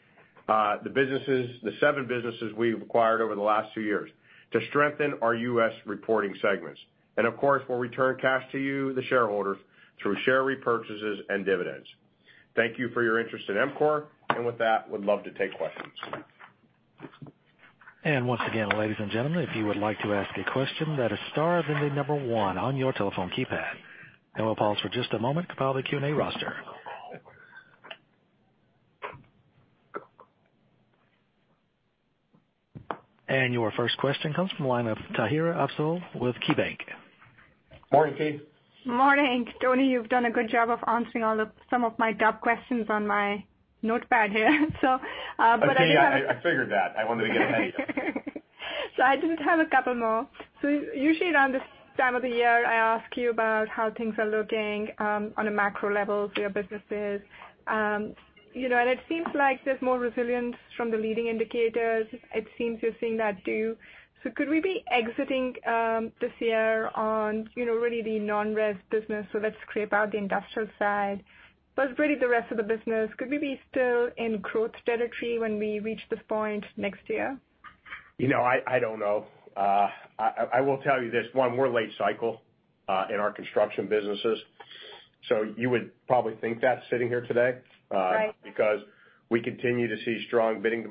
S4: the seven businesses we've acquired over the last two years, to strengthen our U.S. reporting segments. Of course, we'll return cash to you, the shareholders, through share repurchases and dividends. Thank you for your interest in EMCOR. With that, we'd love to take questions.
S1: Once again, ladies and gentlemen, if you would like to ask a question, that is star, then the number one on your telephone keypad. We'll pause for just a moment to compile the Q&A roster. Your first question comes from the line of Tahira Afzal with KeyBanc.
S4: Morning, Tate.
S7: Morning. Tony, you've done a good job of answering some of my top questions on my notepad here.
S4: I figured that. I wanted to get ahead of you.
S7: I just have a couple more. Usually around this time of the year, I ask you about how things are looking, on a macro level for your businesses. It seems like there's more resilience from the leading indicators. It seems you're seeing that, too. Could we be exiting, this year on really the non-res business? Let's scrape out the industrial side, but it's really the rest of the business. Could we be still in growth territory when we reach this point next year?
S4: I don't know. I will tell you this. One, we're late cycle, in our construction businesses. You would probably think that sitting here today.
S7: Right
S4: Because we continue to see strong bidding.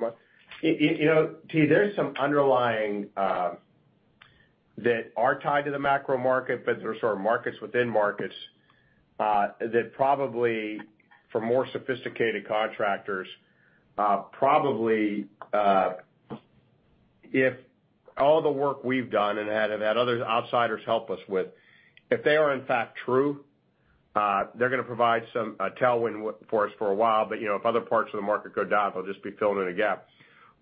S4: There's some underlying, that are tied to the macro market, but there's sort of markets within markets, that probably for more sophisticated contractors, probably, if all the work we've done and have had other outsiders help us with, if they are in fact true, they're going to provide some tailwind for us for a while. If other parts of the market go down, they'll just be filling in a gap.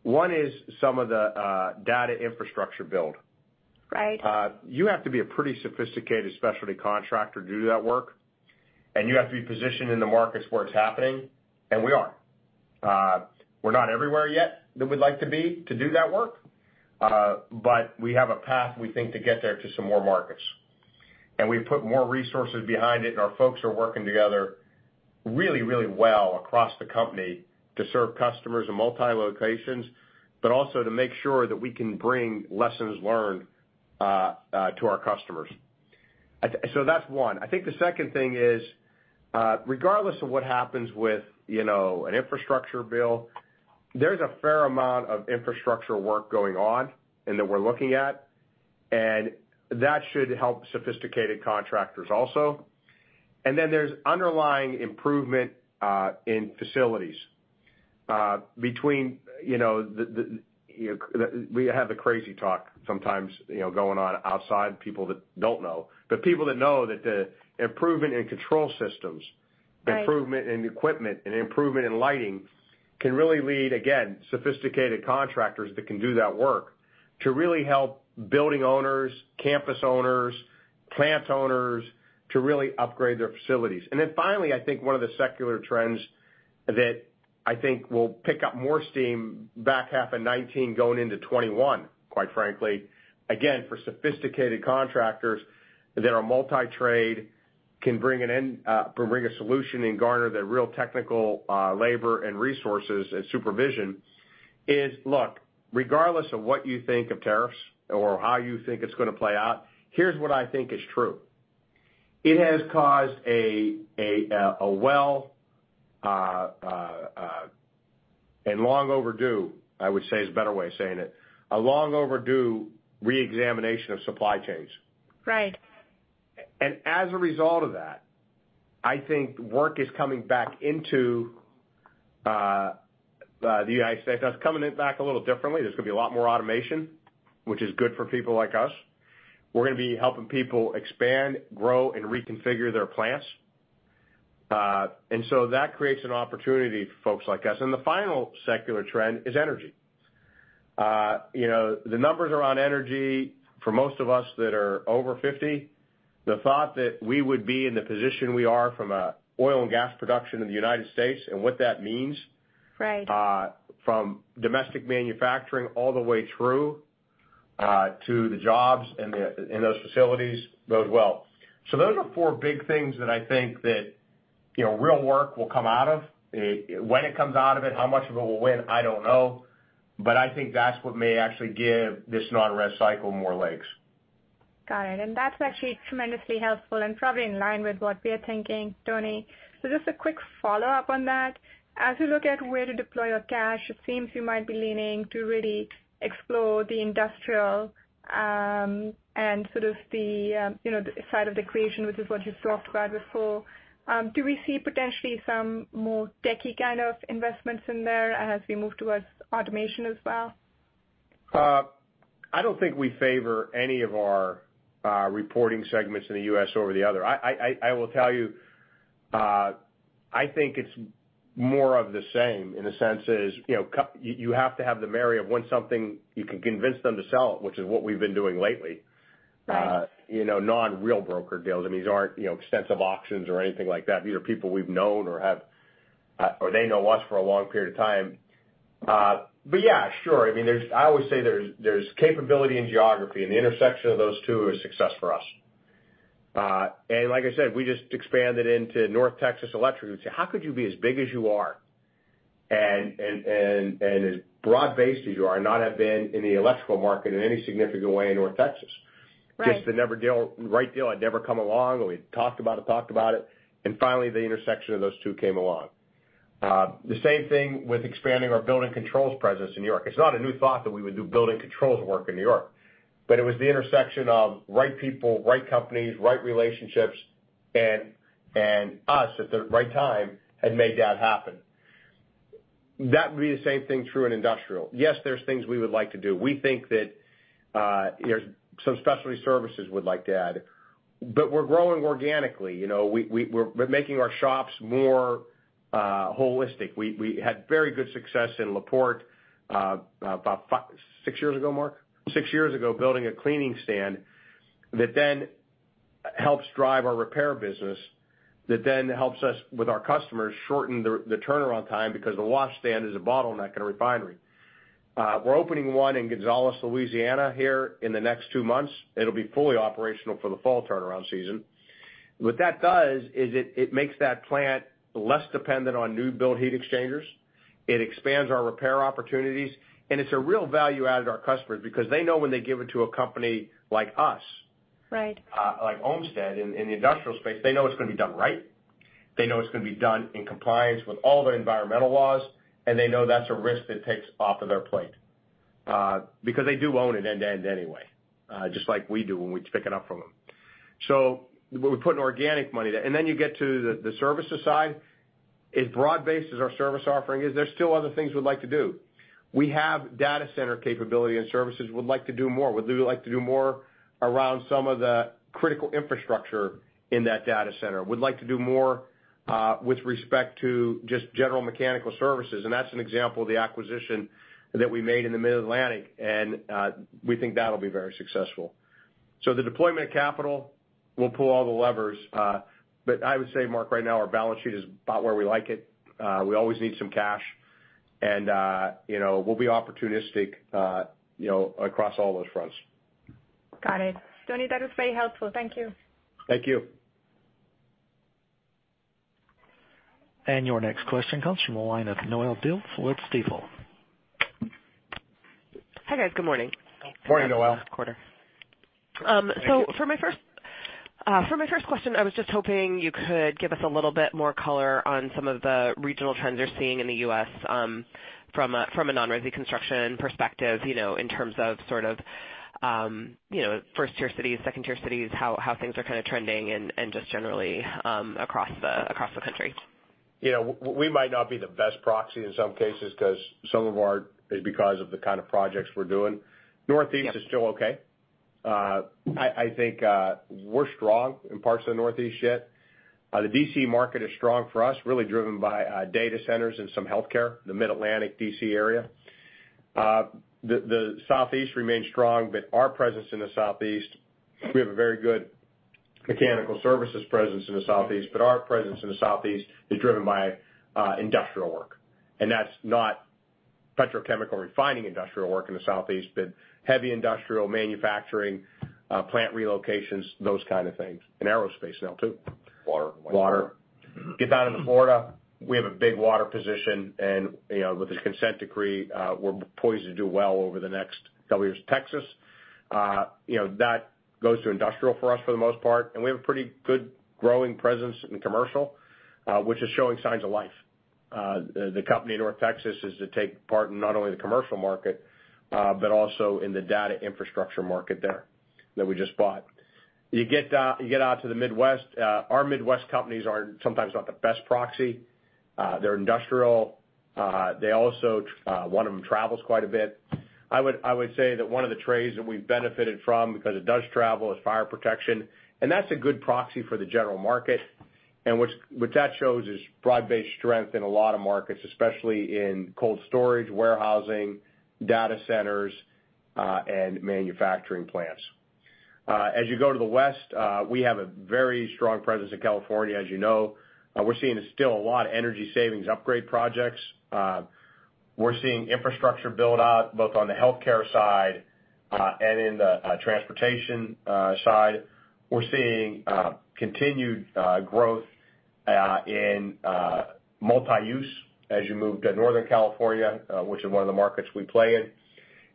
S4: One is some of the data infrastructure build.
S7: Right.
S4: You have to be a pretty sophisticated specialty contractor to do that work, and you have to be positioned in the markets where it's happening, and we are. We're not everywhere yet that we'd like to be to do that work. We have a path, we think, to get there to some more markets. We've put more resources behind it, and our folks are working together really, really well across the company to serve customers in multi-locations, but also to make sure that we can bring lessons learned to our customers. That's one. I think the second thing is, regardless of what happens with an infrastructure bill, there's a fair amount of infrastructure work going on and that we're looking at, and that should help sophisticated contractors also. There's underlying improvement in facilities. We have the crazy talk sometimes going on outside, people that don't know. People that know that the improvement in control systems-
S7: Right
S4: improvement in equipment and improvement in lighting can really lead, again, sophisticated contractors that can do that work to really help building owners, campus owners, plant owners to really upgrade their facilities. Finally, I think one of the secular trends that I think will pick up more steam back half of 2019 going into 2021, quite frankly, again, for sophisticated contractors that are multi-trade, can bring a solution and garner the real technical labor and resources and supervision is, look, regardless of what you think of tariffs or how you think it's going to play out, here's what I think is true. It has caused a well, and long overdue, I would say, is a better way of saying it. A long overdue reexamination of supply chains.
S7: Right.
S4: As a result of that, I think work is coming back into the United States. Now, it's coming back a little differently. There's going to be a lot more automation, which is good for people like us. We're going to be helping people expand, grow, and reconfigure their plants. So that creates an opportunity for folks like us. The final secular trend is energy. The numbers around energy for most of us that are over 50, the thought that we would be in the position we are from a oil and gas production in the United States and what that means-
S7: Right
S4: from domestic manufacturing all the way through to the jobs in those facilities, bodes well. Those are four big things that I think that real work will come out of. When it comes out of it, how much of it will win, I don't know. I think that's what may actually give this non-res cycle more legs.
S7: Got it. That's actually tremendously helpful and probably in line with what we are thinking, Tony. Just a quick follow-up on that. As you look at where to deploy your cash, it seems you might be leaning to really explore the industrial, and sort of the side of the creation, which is what you talked about before. Do we see potentially some more techie kind of investments in there as we move towards automation as well?
S4: I don't think we favor any of our reporting segments in the U.S. over the other. I will tell you, I think it's more of the same in the sense is, you have to have the marry of when something you can convince them to sell it, which is what we've been doing lately.
S7: Right.
S4: Non-real broker deals. These aren't extensive auctions or anything like that. These are people we've known or they know us for a long period of time. Yeah, sure. I always say there's capability in geography, and the intersection of those two is success for us. Like I said, we just expanded into North Texas Electric. How could you be as big as you are and as broad-based as you are and not have been in the electrical market in any significant way in North Texas?
S7: Right.
S4: Just the right deal had never come along, and we talked about it. Finally, the intersection of those two came along. The same thing with expanding our building controls presence in New York. It's not a new thought that we would do building controls work in New York, but it was the intersection of right people, right companies, right relationships, and us at the right time had made that happen. That would be the same thing true in industrial. Yes, there's things we would like to do. We think that there's some specialty services we'd like to add. We're growing organically. We're making our shops more holistic. We had very good success in La Porte about six years ago, Mark? Six years ago, building a cleaning stand that then helps drive our repair business, that then helps us with our customers shorten the turnaround time because the wash stand is a bottleneck in a refinery. We're opening one in Gonzales, Louisiana, here in the next two months. It'll be fully operational for the fall turnaround season. What that does is it makes that plant less dependent on new build heat exchangers. It expands our repair opportunities, and it's a real value add to our customers because they know when they give it to a company like us-
S7: Right
S4: like Ohmstede in the industrial space, they know it's going to be done right. They know it's going to be done in compliance with all the environmental laws, and they know that's a risk that takes off of their plate. Because they do own it end-to-end anyway, just like we do when we pick it up from them. We're putting organic money there. You get to the services side. As broad-based as our service offering is, there's still other things we'd like to do. We have data center capability and services. We'd like to do more. We'd like to do more around some of the critical infrastructure in that data center. We'd like to do more with respect to just general mechanical services, and that's an example of the acquisition that we made in the Mid-Atlantic, and we think that'll be very successful. The deployment of capital, we'll pull all the levers. I would say, Mark, right now our balance sheet is about where we like it. We always need some cash and we'll be opportunistic across all those fronts.
S7: Got it. Tony, that was very helpful. Thank you.
S4: Thank you.
S1: Your next question comes from the line of Noelle Dilts, Stifel.
S8: Hi, guys. Good morning.
S4: Morning, Noelle.
S8: Thanks for the call this quarter.
S4: Thank you.
S8: For my first question, I was just hoping you could give us a little bit more color on some of the regional trends you're seeing in the U.S., from a non-resy construction perspective, in terms of first-tier cities, second-tier cities, how things are kind of trending and just generally across the country.
S4: We might not be the best proxy in some cases because of the kind of projects we're doing. Northeast is still okay. I think we're strong in parts of the Northeast yet. The D.C. market is strong for us, really driven by data centers and some healthcare, the Mid-Atlantic, D.C. area. The Southeast remains strong, but our presence in the Southeast, we have a very good mechanical services presence in the Southeast, but our presence in the Southeast is driven by industrial work, and that's not petrochemical refining industrial work in the Southeast, but heavy industrial manufacturing, plant relocations, those kind of things. Aerospace now, too.
S5: Water.
S4: Water. Get down to Florida, we have a big water position, and with the consent decree, we're poised to do well over the next couple years. Texas, that goes to industrial for us for the most part, and we have a pretty good growing presence in commercial, which is showing signs of life. The company in North Texas is to take part in not only the commercial market, but also in the data infrastructure market there that we just bought. You get out to the Midwest, our Midwest companies are sometimes not the best proxy. They're industrial. One of them travels quite a bit. I would say that one of the trades that we've benefited from, because it does travel, is fire protection, and that's a good proxy for the general market. What that shows is broad-based strength in a lot of markets, especially in cold storage, warehousing, data centers, and manufacturing plants. As you go to the West, we have a very strong presence in California, as you know. We're seeing still a lot of energy savings upgrade projects. We're seeing infrastructure build out both on the healthcare side and in the transportation side. We're seeing continued growth in multi-use as you move to Northern California, which is one of the markets we play in.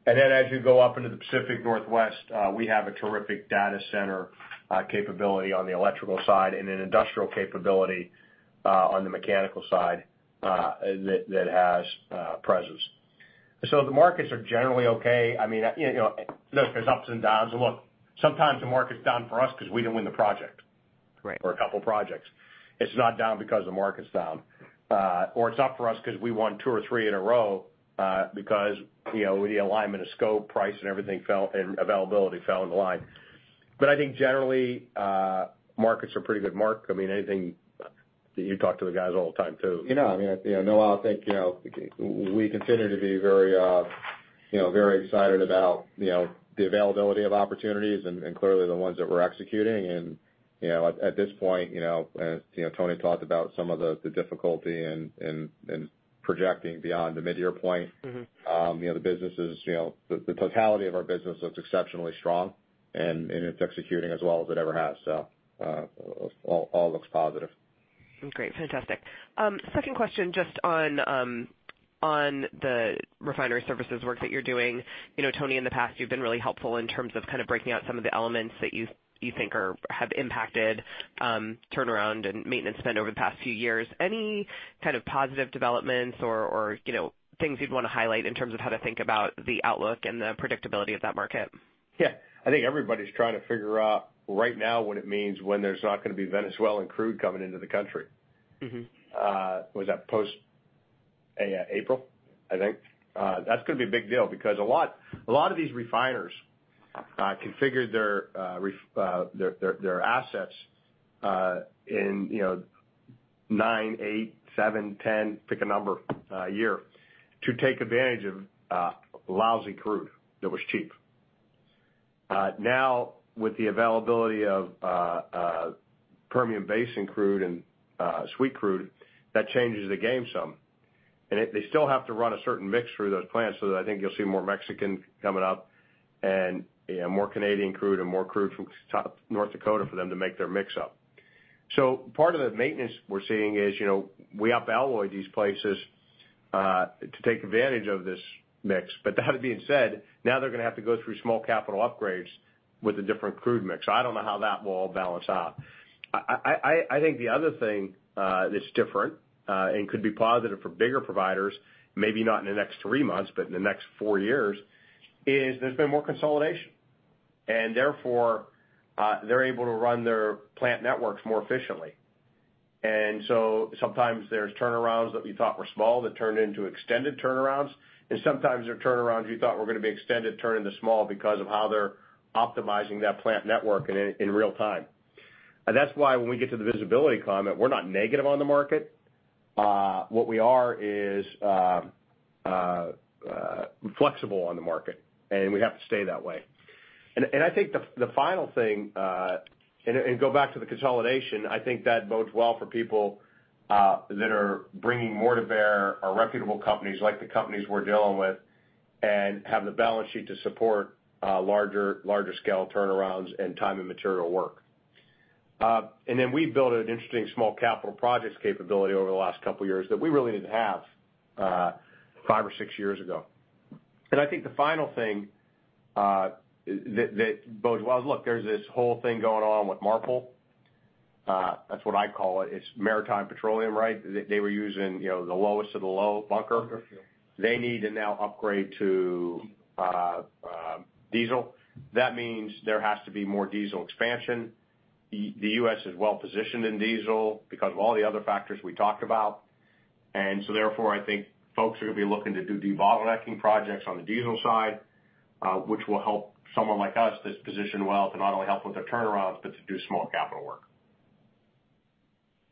S4: Then as you go up into the Pacific Northwest, we have a terrific data center capability on the electrical side and an industrial capability on the mechanical side that has presence. The markets are generally okay. Look, there's ups and downs. Look, sometimes the market's down for us because we didn't win the project.
S5: Right.
S4: A couple of projects. It's not down because the market's down. It's up for us because we won two or three in a row, because the alignment of scope, price, and everything, and availability fell into line. I think generally, markets are pretty good, Mark. You talk to the guys all the time, too.
S5: Noelle, I think we continue to be very excited about the availability of opportunities and clearly the ones that we're executing. At this point, as Tony talked about some of the difficulty in projecting beyond the mid-year point. The totality of our business looks exceptionally strong, and it's executing as well as it ever has, so all looks positive.
S8: Great. Fantastic. Second question, just on the refinery services work that you're doing. Tony, in the past, you've been really helpful in terms of kind of breaking out some of the elements that you think have impacted turnaround and maintenance spend over the past few years. Any kind of positive developments or things you'd want to highlight in terms of how to think about the outlook and the predictability of that market?
S4: Yeah. I think everybody's trying to figure out right now what it means when there's not going to be Venezuelan crude coming into the country. Was that post-April, I think. That's going to be a big deal because a lot of these refiners configured their assets in nine, eight, seven, 10, pick a number, year to take advantage of lousy crude that was cheap. Now with the availability of Permian Basin crude and sweet crude, that changes the game some. They still have to run a certain mix through those plants, so I think you'll see more Mexican coming up and more Canadian crude and more crude from North Dakota for them to make their mix up. Part of the maintenance we're seeing is, we up alloy these places to take advantage of this mix. That being said, now they're going to have to go through small capital upgrades with a different crude mix. I don't know how that will all balance out. I think the other thing that's different and could be positive for bigger providers, maybe not in the next three months, but in the next four years, is there's been more consolidation, therefore, they're able to run their plant networks more efficiently. Sometimes there's turnarounds that we thought were small that turned into extended turnarounds, sometimes the turnarounds we thought were going to be extended turn into small because of how they're optimizing that plant network in real time. That's why when we get to the visibility comment, we're not negative on the market. What we are is flexible on the market, and we have to stay that way. I think the final thing, and go back to the consolidation, I think that bodes well for people that are bringing more to bear, are reputable companies like the companies we're dealing with, and have the balance sheet to support larger scale turnarounds and time and material work. Then we built an interesting small capital projects capability over the last couple of years that we really didn't have five or six years ago. I think the final thing that bodes well is, look, there's this whole thing going on with MARPOL. That's what I call it. It's maritime petroleum, right? They were using the lowest of the low bunker. They need to now upgrade to diesel. That means there has to be more diesel expansion. The U.S. is well-positioned in diesel because of all the other factors we talked about, therefore, I think folks are going to be looking to do debottlenecking projects on the diesel side, which will help someone like us that's positioned well to not only help with the turnarounds, but to do small capital work.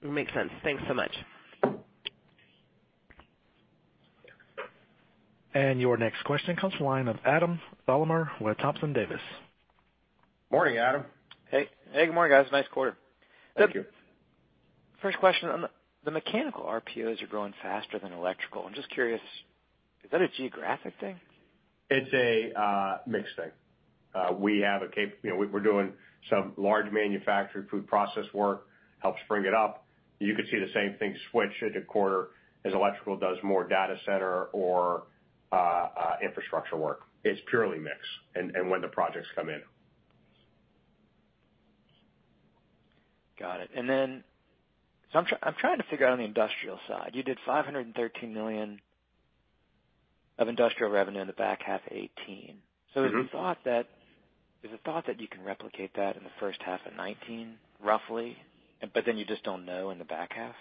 S8: Makes sense. Thanks so much.
S1: Your next question comes from the line of Adam Thalhimer with Thompson Davis.
S4: Morning, Adam.
S9: Hey, good morning, guys. Nice quarter.
S4: Thank you.
S9: First question, the mechanical RPOs are growing faster than electrical. I'm just curious, is that a geographic thing?
S4: It's a mixed thing. We're doing some large manufacturer food process work, helps bring it up. You could see the same thing switch into quarter as electrical does more data center or infrastructure work. It's purely mix and when the projects come in.
S9: Got it. I'm trying to figure out on the industrial side. You did $513 million of industrial revenue in the back half 2018. Is the thought that you can replicate that in the first half of 2019, roughly, but then you just don't know in the back half?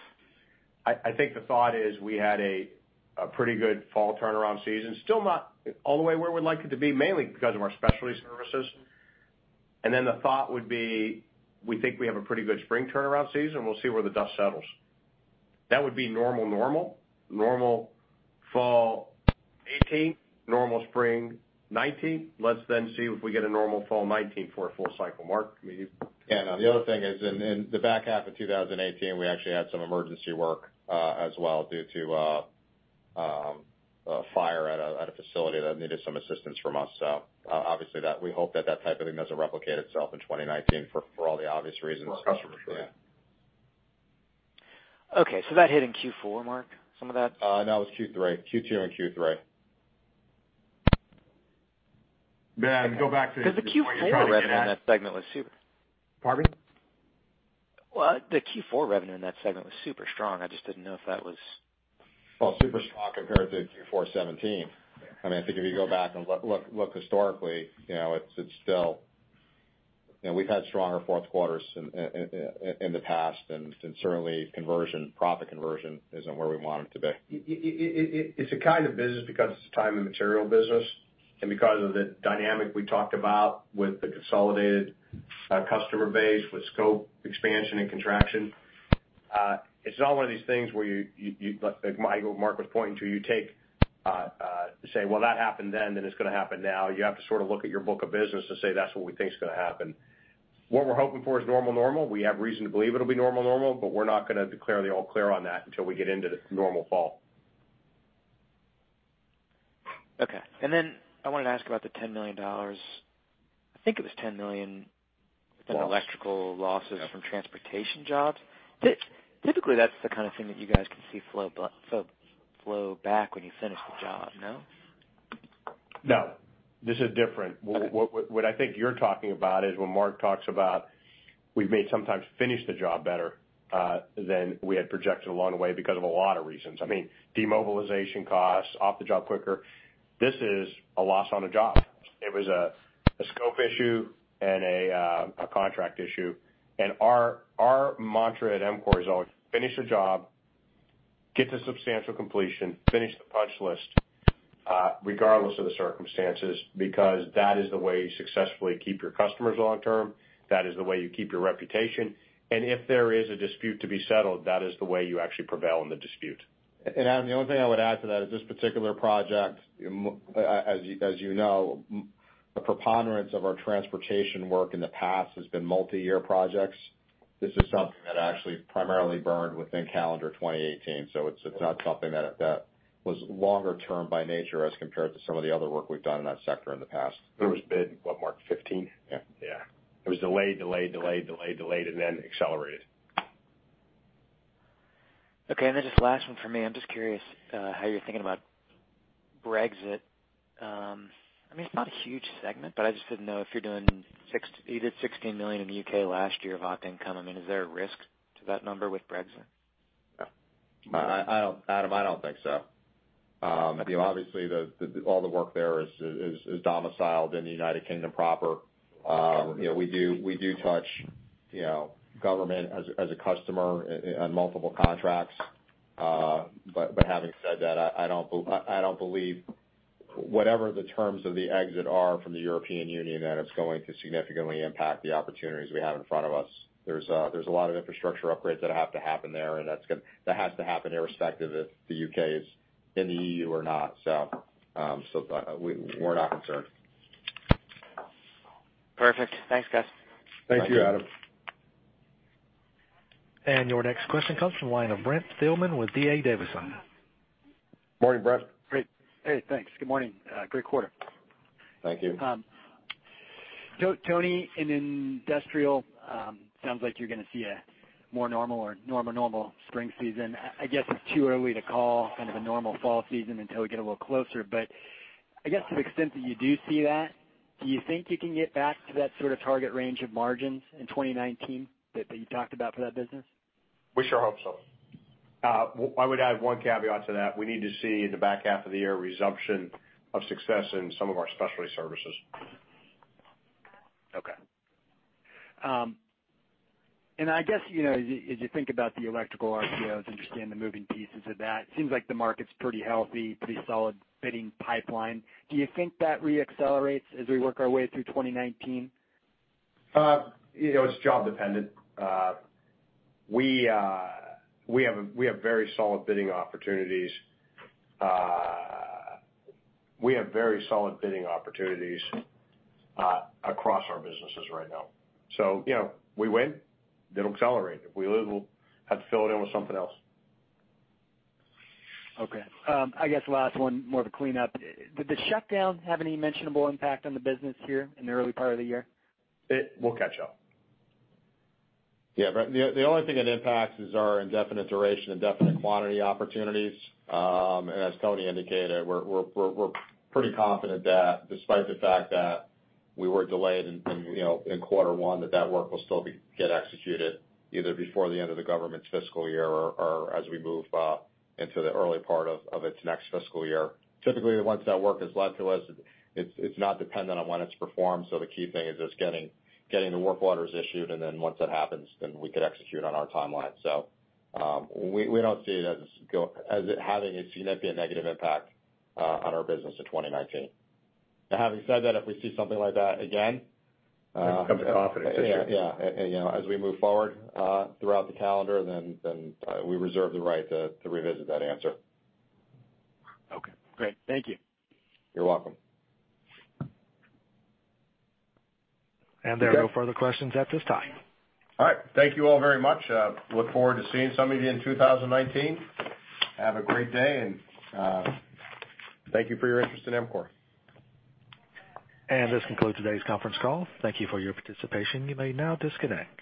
S4: I think the thought is we had a pretty good fall turnaround season. Still not all the way where we'd like it to be, mainly because of our specialty services. The thought would be, we think we have a pretty good spring turnaround season. We'll see where the dust settles. That would be normal. Normal fall 2018, normal spring 2019. Let's then see if we get a normal fall 2019 for a full cycle. Mark?
S5: The other thing is, in the back half of 2018, we actually had some emergency work as well due to a fire at a facility that needed some assistance from us. Obviously, we hope that type of thing doesn't replicate itself in 2019 for all the obvious reasons.
S4: For our customers.
S5: Yeah.
S9: Okay, that hit in Q4, Mark? Some of that?
S4: No, it was Q2 and Q3.
S5: Go back to.
S9: The Q4 revenue in that segment was super.
S4: Pardon?
S9: Well, the Q4 revenue in that segment was super strong. I just didn't know if that was.
S5: Well, super strong compared to Q4 2017. I think if you go back and look historically, we've had stronger fourth quarters in the past, and certainly profit conversion isn't where we want it to be.
S4: It's a kind of business because it's a time and material business, and because of the dynamic we talked about with the consolidated customer base, with scope expansion and contraction. It's not one of these things where you, like Mark was pointing to, you say, "Well, that happened then it's going to happen now." You have to look at your book of business to say, "That's what we think is going to happen." What we're hoping for is normal. We have reason to believe it'll be normal, but we're not going to declare the all clear on that until we get into the normal fall.
S9: Okay. I wanted to ask about the $10 million. I think it was $10 million in electrical losses from transportation jobs. Typically, that's the kind of thing that you guys can see flow back when you finish the job, no?
S4: No. This is different. What I think you're talking about is when Mark talks about we may sometimes finish the job better than we had projected along the way because of a lot of reasons. Demobilization costs, off the job quicker. This is a loss on a job. It was a scope issue and a contract issue. Our mantra at EMCOR is always finish the job, get to substantial completion, finish the punch list, regardless of the circumstances, because that is the way you successfully keep your customers long-term. That is the way you keep your reputation. If there is a dispute to be settled, that is the way you actually prevail in the dispute.
S5: Adam, the only thing I would add to that is this particular project, as you know, the preponderance of our transportation work in the past has been multi-year projects. This is something that actually primarily burned within calendar 2018, so it's not something that was longer term by nature as compared to some of the other work we've done in that sector in the past.
S4: It was bid, what, March 15?
S5: Yeah.
S4: Yeah. It was delayed, delayed, delayed, and then accelerated.
S9: Just last one from me. I'm just curious how you're thinking about Brexit. It's not a huge segment, but I just didn't know. You did $16 million in the U.K. last year of op income. Is there a risk to that number with Brexit?
S5: Adam, I don't think so. Obviously, all the work there is domiciled in the U.K. proper. We do touch government as a customer on multiple contracts. Having said that, I don't believe whatever the terms of the exit are from the European Union, that it's going to significantly impact the opportunities we have in front of us. There's a lot of infrastructure upgrades that have to happen there, and that has to happen irrespective if the U.K. is in the EU or not. We're not concerned.
S9: Perfect. Thanks, guys.
S5: Thank you, Adam.
S1: Your next question comes from the line of Brent Thielman with D.A. Davidson.
S4: Morning, Brent.
S10: Great. Hey, thanks. Good morning. Great quarter.
S4: Thank you.
S10: Tony, in industrial, sounds like you're going to see a more normal or normal spring season. I guess it's too early to call kind of a normal fall season until we get a little closer. I guess to the extent that you do see that, do you think you can get back to that sort of target range of margins in 2019 that you talked about for that business?
S4: We sure hope so.
S5: I would add one caveat to that. We need to see in the back half of the year a resumption of success in some of our specialty services.
S10: Okay. I guess, as you think about the electrical RTOs and understand the moving pieces of that, it seems like the market's pretty healthy, pretty solid bidding pipeline. Do you think that re-accelerates as we work our way through 2019?
S4: It's job dependent. We have very solid bidding opportunities across our businesses right now. We win, it'll accelerate. If we lose, we'll have to fill it in with something else.
S10: Okay. I guess last one, more of a cleanup. Did the shutdown have any mentionable impact on the business here in the early part of the year?
S4: It will catch up.
S5: Yeah, Brent. The only thing it impacts is our indefinite duration, indefinite quantity opportunities. As Tony indicated, we're pretty confident that despite the fact that we were delayed in quarter one, that work will still get executed either before the end of the government's fiscal year or as we move into the early part of its next fiscal year. Typically, once that work is led to us, it's not dependent on when it's performed, the key thing is just getting the work orders issued, and then once that happens, then we could execute on our timeline. We don't see it as having a significant negative impact on our business in 2019.
S4: Now, having said that, if we see something like that again.
S5: It becomes a confidence issue.
S4: Yeah. As we move forward throughout the calendar, we reserve the right to revisit that answer.
S10: Okay, great. Thank you.
S5: You're welcome.
S1: There are no further questions at this time.
S4: All right. Thank you all very much. Look forward to seeing some of you in 2019. Have a great day, and thank you for your interest in EMCOR.
S1: This concludes today's conference call. Thank you for your participation. You may now disconnect.